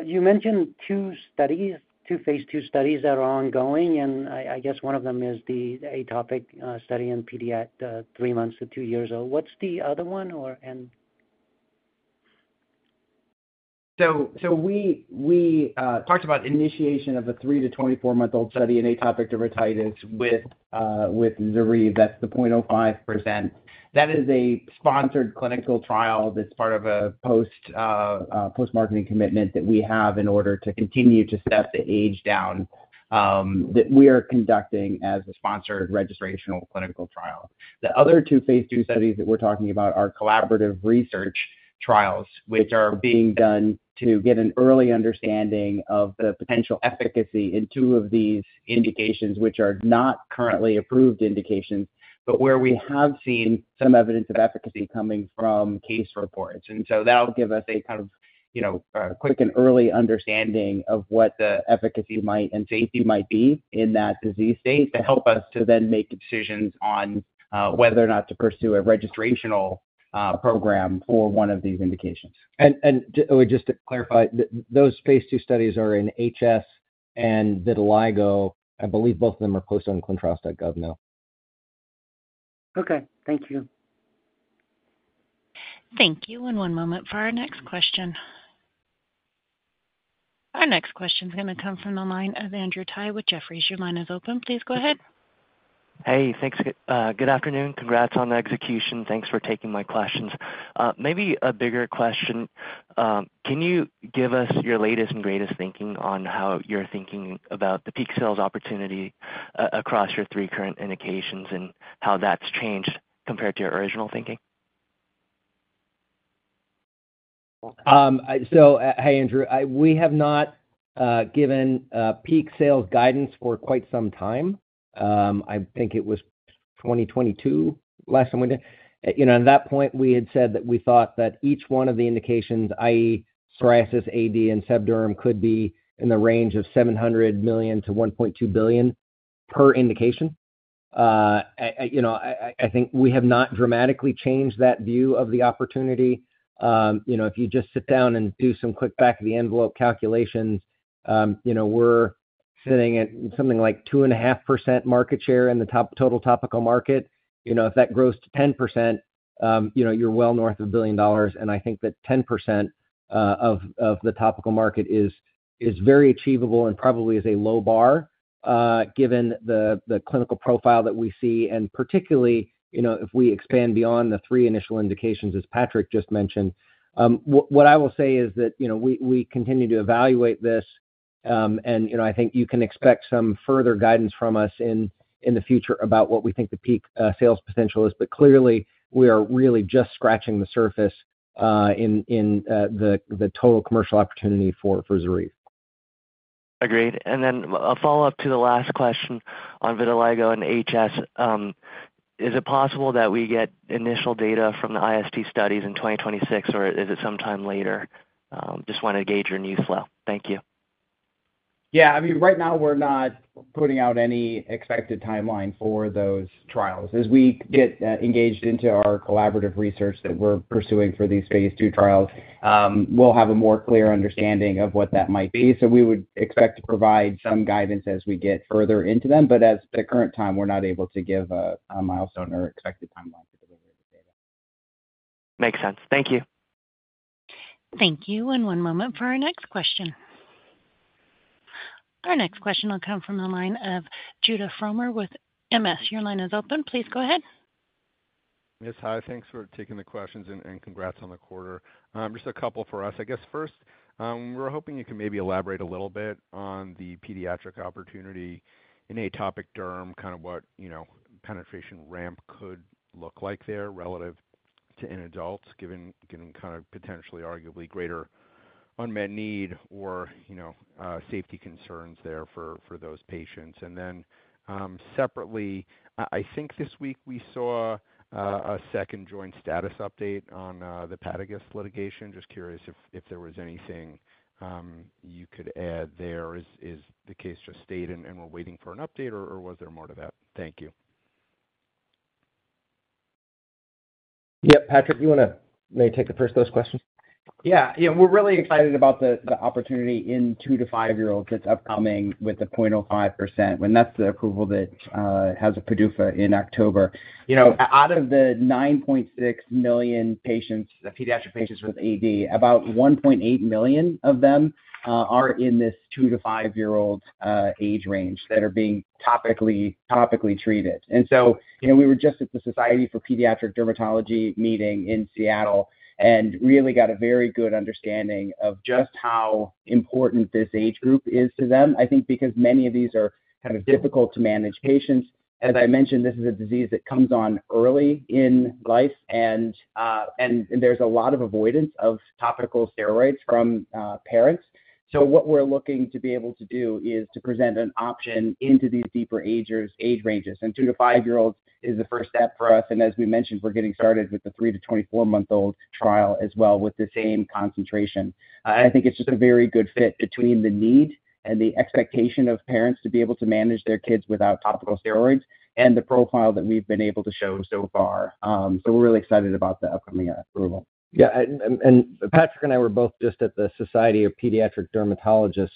You mentioned two studies, two phase II studies that are ongoing. I guess one of them is the atopic study in pediatric three months to two years old. What's the other one? We talked about initiation of a three to 24-month-old study in atopic dermatitis with ZORYVE. That's the 0.05%. That is a sponsored clinical trial that's part of a post-marketing commitment that we have in order to continue to set the age down that we are conducting as a sponsored registrational clinical trial. The other two phase II studies that we're talking about are collaborative research trials, which are being done to get an early understanding of the potential efficacy in two of these indications, which are not currently approved indications, but where we have seen some evidence of efficacy coming from case reports. That'll give us a kind of, you know, quick and early understanding of what the efficacy might and safety might be in that disease state to help us to then make decisions on whether or not to pursue a registrational program for one of these indications. Just to clarify, those phase II studies are in HS and vitiligo. I believe both of them are posted on clinicaltrials.gov now. Okay, thank you. Thank you. One moment for our next question. Our next question is going to come from the line of Andrew Tsai with Jefferies. Your line is open. Please go ahead. Hey, thanks. Good afternoon. Congrats on the execution. Thanks for taking my questions. Maybe a bigger question. Can you give us your latest and greatest thinking on how you're thinking about the peak sales opportunity across your three current indications and how that's changed compared to your original thinking? Hey, Andrew. We have not given peak sales guidance for quite some time. I think it was 2022 last time we did. At that point, we had said that we thought that each one of the indications, i.e. psoriasis, AD, and seb derm, could be in the range of $700 million-$1.2 billion per indication. I think we have not dramatically changed that view of the opportunity. If you just sit down and do some quick back-of-the-envelope calculation, we're sitting at something like 2.5% market share in the total topical market. If that grows to 10%, you're well north of $1 billion. I think that 10% of the topical market is very achievable and probably is a low bar given the clinical profile that we see. Particularly, if we expand beyond the three initial indications, as Patrick just mentioned, what I will say is that we continue to evaluate this. I think you can expect some further guidance from us in the future about what we think the peak sales potential is. Clearly, we are really just scratching the surface in the total commercial opportunity for ZORYVE. Agreed. A follow-up to the last question on vitiligo and HS. Is it possible that we get initial data from the IST studies in 2026, or is it sometime later? I just wanted to gauge your news flow. Thank you. Yeah, I mean, right now we're not putting out any expected timeline for those trials. As we get engaged into our collaborative research that we're pursuing for these phase II trials, we'll have a more clear understanding of what that might be. We would expect to provide some guidance as we get further into them. At the current time, we're not able to give a milestone or expected timeline for the data. Makes sense. Thank you. Thank you. One moment for our next question. Our next question will come from the line of Judah Frommer with MS. Your line is open. Please go ahead. Yes, hi. Thanks for taking the questions and congrats on the quarter. Just a couple for us. I guess first, we're hoping you can maybe elaborate a little bit on the pediatric opportunity in atopic derm, kind of what, you know, penetration ramp could look like there relative to in adults, given kind of potentially arguably greater unmet need or, you know, safety concerns there for those patients. Then separately, I think this week we saw a second joint status update on the Padagis litigation. Just curious if there was anything you could add there. Is the case just stayed and we're waiting for an update, or was there more to that? Thank you. Yeah, Patrick, you want to maybe take the first of those questions? Yeah, yeah, we're really excited about the opportunity in two to five-year-olds that's upcoming with the 0.05%, and that's the approval that has a PDUFA in October. Out of the 9.6 million patients, the pediatric patients with AD, about 1.8 million of them are in this two to five-year-old age range that are being topically treated. We were just at the Society for Pediatric Dermatology meeting in Seattle and really got a very good understanding of just how important this age group is to them, I think, because many of these are kind of difficult-to-manage patients. As I mentioned, this is a disease that comes on early in life, and there's a lot of avoidance of topical steroids from parents. What we're looking to be able to do is to present an option into these deeper age ranges. Two to five-year-olds is the first step for us. As we mentioned, we're getting started with the three to 24-month-old trial as well with the same concentration. I think it's just a very good fit between the need and the expectation of parents to be able to manage their kids without topical steroids and the profile that we've been able to show so far. We're really excited about the upcoming approval. Yeah, Patrick and I were both just at the Society of Pediatric Dermatology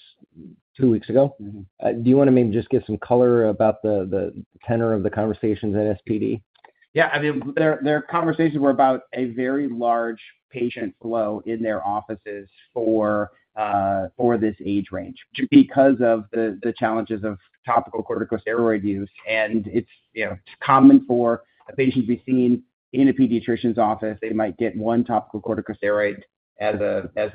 two weeks ago. Do you want to maybe just give some color about the tenor of the conversations at SPD? Yeah, I mean, their conversations were about a very large patient flow in their offices for this age range, just because of the challenges of topical corticosteroid use. It's common for a patient to be seen in a pediatrician's office. They might get one topical corticosteroid as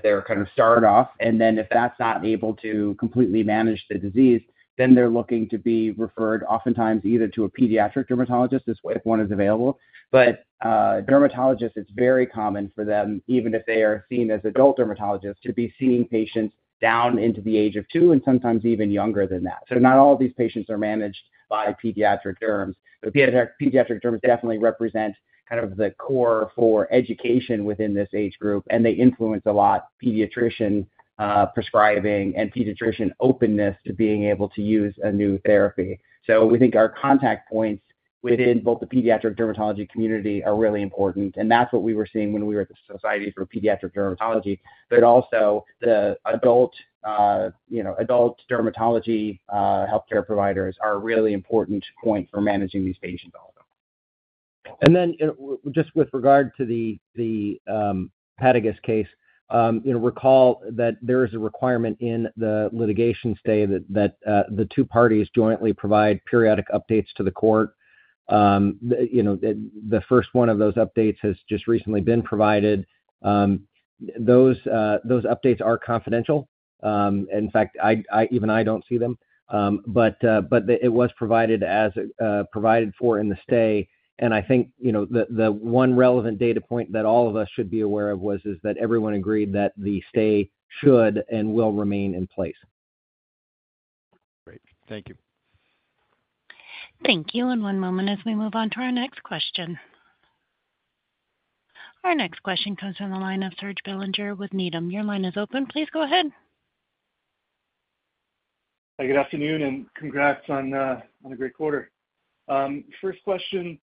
their kind of start-off. If that's not able to completely manage the disease, they're looking to be referred oftentimes either to a pediatric dermatologist if one is available. Dermatologists, it's very common for them, even if they are seen as adult dermatologists, to be seeing patients down into the age of two and sometimes even younger than that. Not all of these patients are managed by pediatric derms. Pediatric derm definitely represent kind of the core for education within this age group, and they influence a lot of pediatrician prescribing and pediatrician openness to being able to use a new therapy. We think our contact points within both the pediatric dermatology community are really important. That's what we were seeing when we were at the Society for Pediatric Dermatology. The adult dermatology healthcare providers are a really important point for managing these patients also. With regard to the Padagis case, recall that there is a requirement in the litigation stay that the two parties jointly provide periodic updates to the court. The first one of those updates has just recently been provided. Those updates are confidential. In fact, even I don't see them. It was provided as provided for in the stay. I think the one relevant data point that all of us should be aware of was that everyone agreed that the stay should and will remain in place. Great. Thank you. Thank you. One moment as we move on to our next question. Our next question comes from the line of Serge Belanger with Needham. Your line is open. Please go ahead. Hi, good afternoon, and congrats on a great quarter. First question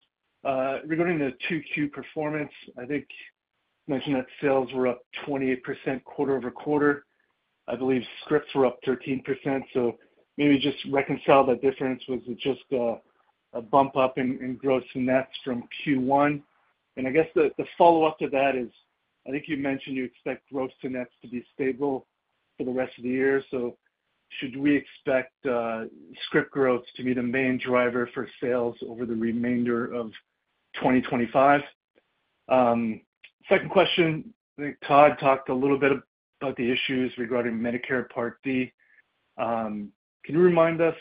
regarding the 2Q performance, I think you mentioned that sales were up 28% quarter-over-quarter. I believe scripts were up 13%. Maybe just reconcile that difference. Was it just a bump up in gross nets from Q1? I guess the follow-up to that is I think you mentioned you expect gross nets to be stable for the rest of the year. Should we expect script growth to be the main driver for sales over the remainder of 2025? Second question, I think Todd talked a little bit about the issues regarding Medicare Part D. Can you remind us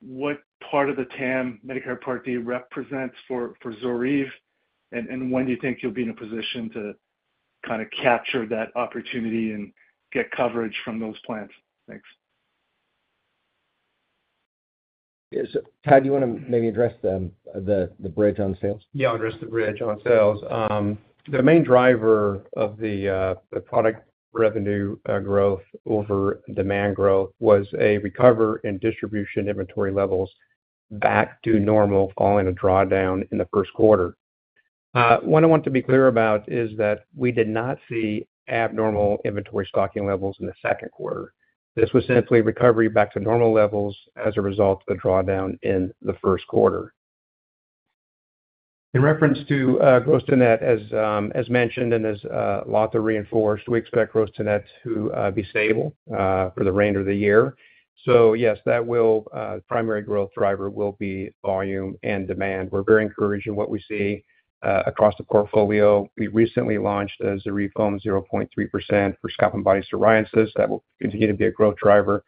what part of the TAM Medicare Part D represents for ZORYVE? When do you think you'll be in a position to kind of capture that opportunity and get coverage from those plans? Thanks. Yeah, Todd, do you want to maybe address the bridge on sales? Yeah, I'll address the bridge on sales. The main driver of the product revenue growth over demand growth was a recovery in distribution inventory levels back to normal following a drawdown in the first quarter. What I want to be clear about is that we did not see abnormal inventory stocking levels in the second quarter. This was simply a recovery back to normal levels as a result of the drawdown in the first quarter. In reference to gross net, as mentioned and as Latha reinforced, we expect gross net to be stable for the remainder of the year. Yes, the primary growth driver will be volume and demand. We're very encouraged in what we see across the portfolio. We recently launched the ZORYVE foam 0.3% for scalp and body psoriasis. That will continue to be a growth driver.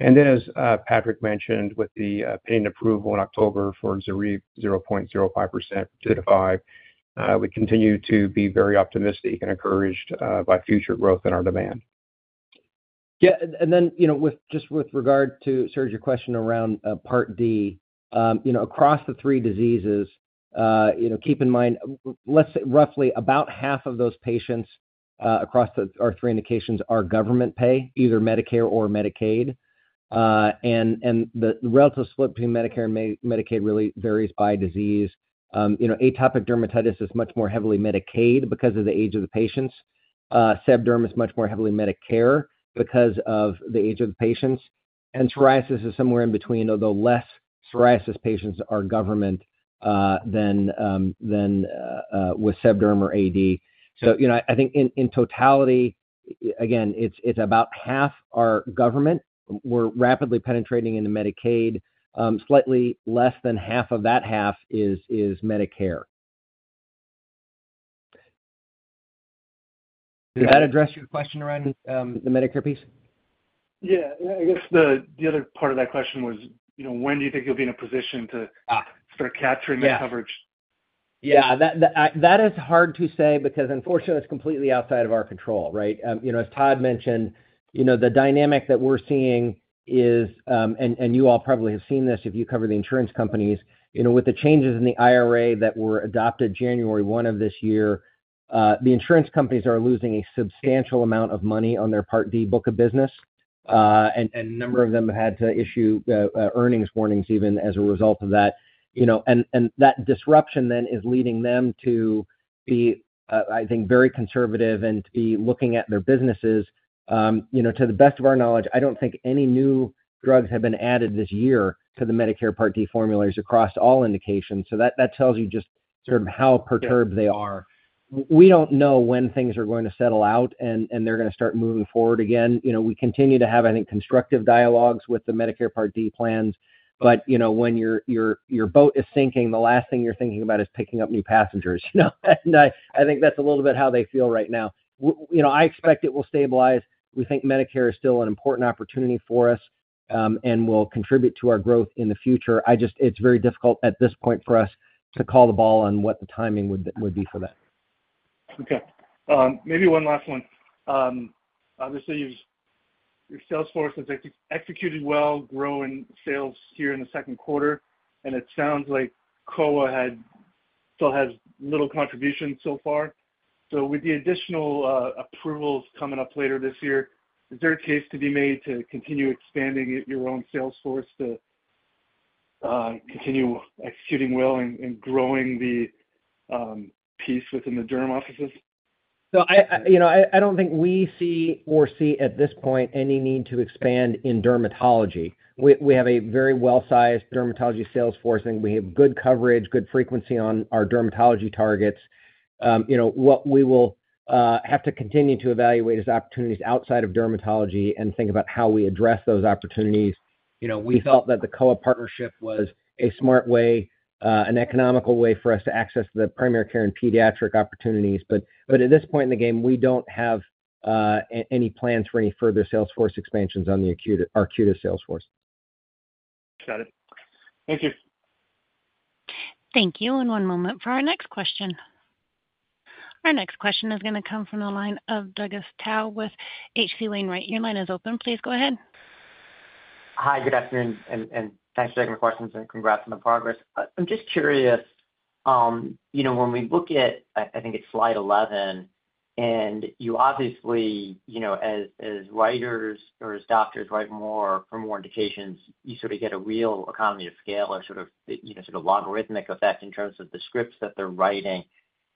As Patrick mentioned, with the pending approval in October for ZORYVE 0.05% two to five, we continue to be very optimistic and encouraged by future growth in our demand. Yeah, and then, just with regard to, Serge, your question around Part D, across the three diseases, keep in mind, let's say roughly about half of those patients across our three indications are government pay, either Medicare or Medicaid. The relative split between Medicare and Medicaid really varies by disease. Atopic dermatitis is much more heavily Medicaid because of the age of the patients. Seb derm is much more heavily Medicare because of the age of the patients. Psoriasis is somewhere in between, although less psoriasis patients are government than with seb derm or AD. In totality, again, it's about half are government. We're rapidly penetrating into Medicaid. Slightly less than half of that half is Medicare. Does that address your question around the Medicare piece? Yeah, I guess the other part of that question was, you know, when do you think you'll be in a position to start capturing this coverage? Yeah, that is hard to say because, unfortunately, it's completely outside of our control, right? You know, as Todd mentioned, the dynamic that we're seeing is, and you all probably have seen this if you cover the insurance companies, with the changes in the IRA that were adopted January 1 of this year, the insurance companies are losing a substantial amount of money on their Part D book of business. A number of them have had to issue earnings warnings even as a result of that. That disruption then is leading them to be, I think, very conservative and to be looking at their businesses. To the best of our knowledge, I don't think any new drugs have been added this year to the Medicare Part D formularies across all indications. That tells you just sort of how perturbed they are. We don't know when things are going to settle out and they're going to start moving forward again. We continue to have, I think, constructive dialogues with the Medicare Part D plans. When your boat is sinking, the last thing you're thinking about is picking up new passengers. I think that's a little bit how they feel right now. I expect it will stabilize. We think Medicare is still an important opportunity for us and will contribute to our growth in the future. I just, it's very difficult at this point for us to call the ball on what the timing would be for that. Okay. Maybe one last one. Obviously, your sales force has executed well, growing sales here in the second quarter, and it sounds like Kowa still has little contribution so far. With the additional approvals coming up later this year, is there a case to be made to continue expanding your own sales force to continue executing well and growing the piece within the derm offices? I don't think we see at this point any need to expand in dermatology. We have a very well-sized dermatology sales force, and we have good coverage, good frequency on our dermatology targets. What we will have to continue to evaluate is opportunities outside of dermatology and think about how we address those opportunities. We felt that the Kowa partnership was a smart way, an economical way for us to access the primary care and pediatric opportunities. At this point in the game, we don't have any plans for any further sales force expansions on our Arcutis sales force. Got it. Thank you. Thank you. One moment for our next question. Our next question is going to come from the line of Douglas Tsao with H.C. Wainwright. Your line is open. Please go ahead. Hi, good afternoon, and thanks for taking the questions, and congrats on the progress. I'm just curious, you know, when we look at, I think it's slide 11, and you obviously, you know, as writers or as doctors write more for more indications, you sort of get a real economy of scale or sort of, you know, sort of logarithmic effect in terms of the scripts that they're writing.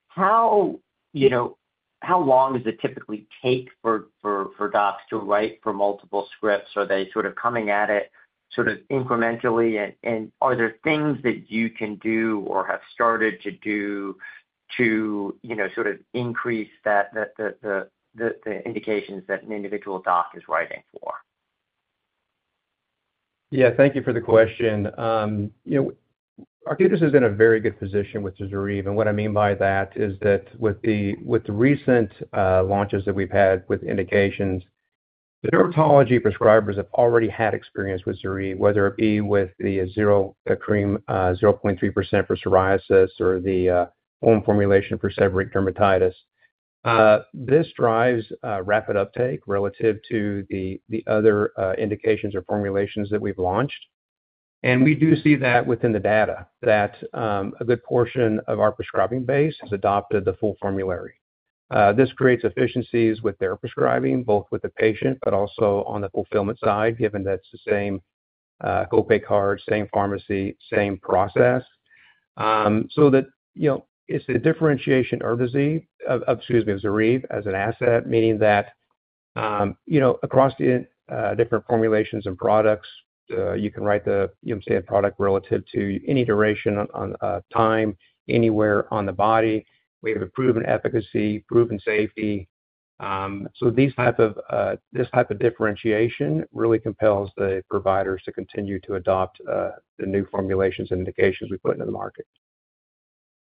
How long does it typically take for docs to write for multiple scripts? Are they sort of coming at it incrementally? Are there things that you can do or have started to do to, you know, sort of increase the indications that an individual doctor is writing for? Yeah, thank you for the question. You know, Arcutis has been in a very good position with ZORYVE. What I mean by that is that with the recent launches that we've had with indications, the dermatology prescribers have already had experience with ZORYVE, whether it be with the ZORYVE cream 0.3% for psoriasis or the foam formulation for seborrheic dermatitis. This drives rapid uptake relative to the other indications or formulations that we've launched. We do see that within the data that a good portion of our prescribing base has adopted the full formulary. This creates efficiencies with their prescribing, both with the patient but also on the fulfillment side, given that it's the same copay card, same pharmacy, same process. It's a differentiation of ZORYVE as an asset, meaning that across the different formulations and products, you can write the same product relative to any duration on time, anywhere on the body. We have a proven efficacy, proven safety. This type of differentiation really compels the providers to continue to adopt the new formulations and indications we put into the market.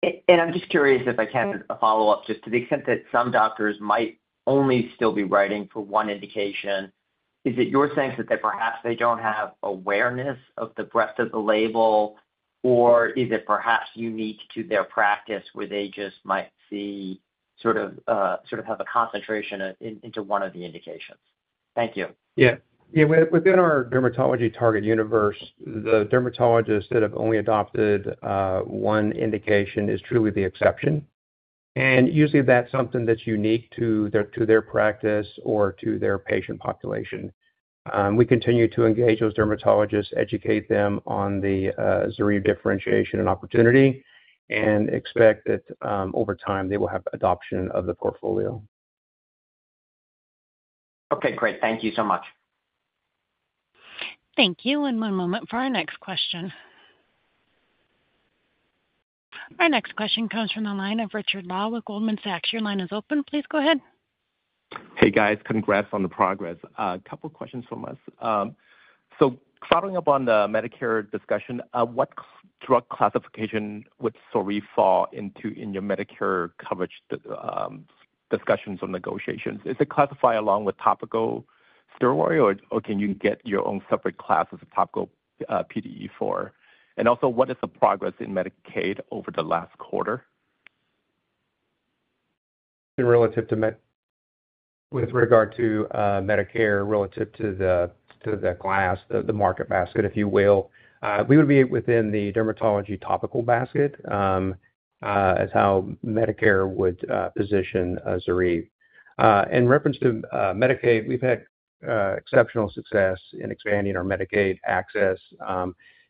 I'm just curious if I can follow up just to the extent that some doctors might only still be writing for one indication. Is it your sense that perhaps they don't have awareness of the breadth of the label, or is it perhaps unique to their practice where they just might see sort of have a concentration into one of the indications? Thank you. Yeah, within our dermatology target universe, the dermatologists that have only adopted one indication is truly the exception. Usually, that's something that's unique to their practice or to their patient population. We continue to engage those dermatologists, educate them on the ZORYVE differentiation and opportunity, and expect that over time they will have adoption of the portfolio. Okay, great. Thank you so much. Thank you. One moment for our next question. Our next question comes from the line of Richard Law with Goldman Sachs. Your line is open. Please go ahead. Hey, guys. Congrats on the progress. A couple of questions from us. Following up on the Medicare discussion, what drug classification would ZORYVE fall into in your Medicare coverage discussions or negotiations? Is it classified along with topical steroids, or can you get your own separate class as a topical PDE4? Also, what is the progress in Medicaid over the last quarter? With regard to Medicare, relative to the class, the market basket, if you will, we would be within the dermatology topical basket as how Medicare would position ZORYVE. In reference to Medicaid, we've had exceptional success in expanding our Medicaid access.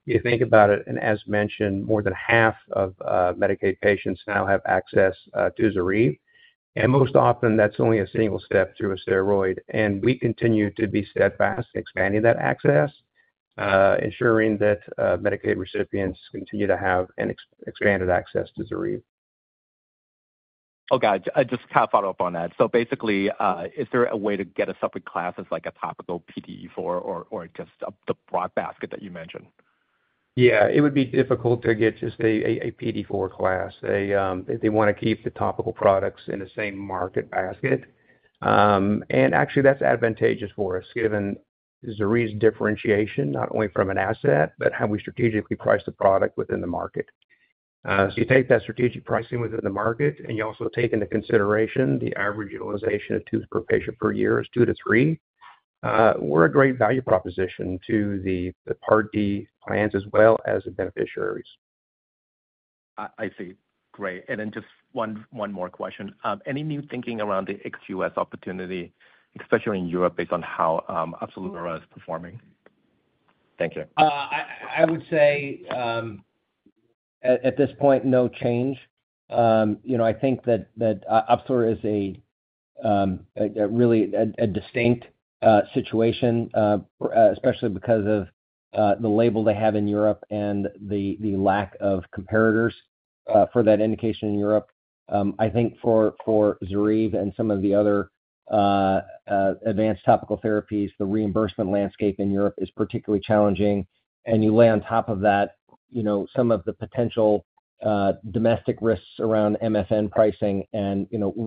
You think about it, and as mentioned, more than half of Medicaid patients now have access to ZORYVE. Most often, that's only a single step through a steroid. We continue to be steadfast in expanding that access, ensuring that Medicaid recipients continue to have an expanded access to ZORYVE. Just to kind of follow up on that, is there a way to get a separate class that's like a topical PDE4 or just the broad basket that you mentioned? Yeah, it would be difficult to get just a PDE4 class. They want to keep the topical products in the same market basket. Actually, that's advantageous for us given ZORYVE's differentiation, not only from an asset, but how we strategically price the product within the market. You take that strategic pricing within the market, and you also take into consideration the average utilization of tubes per patient per year is two to three. We're a great value proposition to the Part D plans as well as the beneficiaries. I see. Great. Just one more question. Any new thinking around the ex-U.S. opportunity, especially in Europe, based on how OPZELURA is performing? Thank you. I would say at this point, no change. I think that OPZELURA is a really distinct situation, especially because of the label they have in Europe and the lack of competitors for that indication in Europe. I think for ZORYVE and some of the other advanced topical therapies, the reimbursement landscape in Europe is particularly challenging. You lay on top of that some of the potential domestic risks around MFN pricing.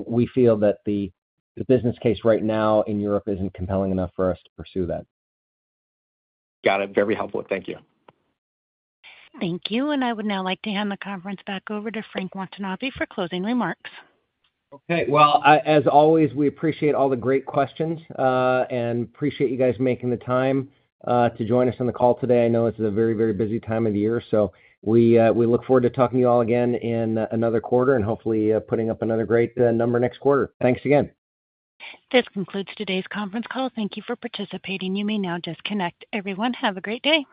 We feel that the business case right now in Europe isn't compelling enough for us to pursue that. Got it. Very helpful. Thank you. Thank you. I would now like to hand the conference back over to Frank Watanabe for closing remarks. As always, we appreciate all the great questions and appreciate you guys making the time to join us on the call today. I know it's a very, very busy time of year. We look forward to talking to you all again in another quarter and hopefully putting up another great number next quarter. Thanks again. This concludes today's conference call. Thank you for participating. You may now disconnect. Everyone, have a great day.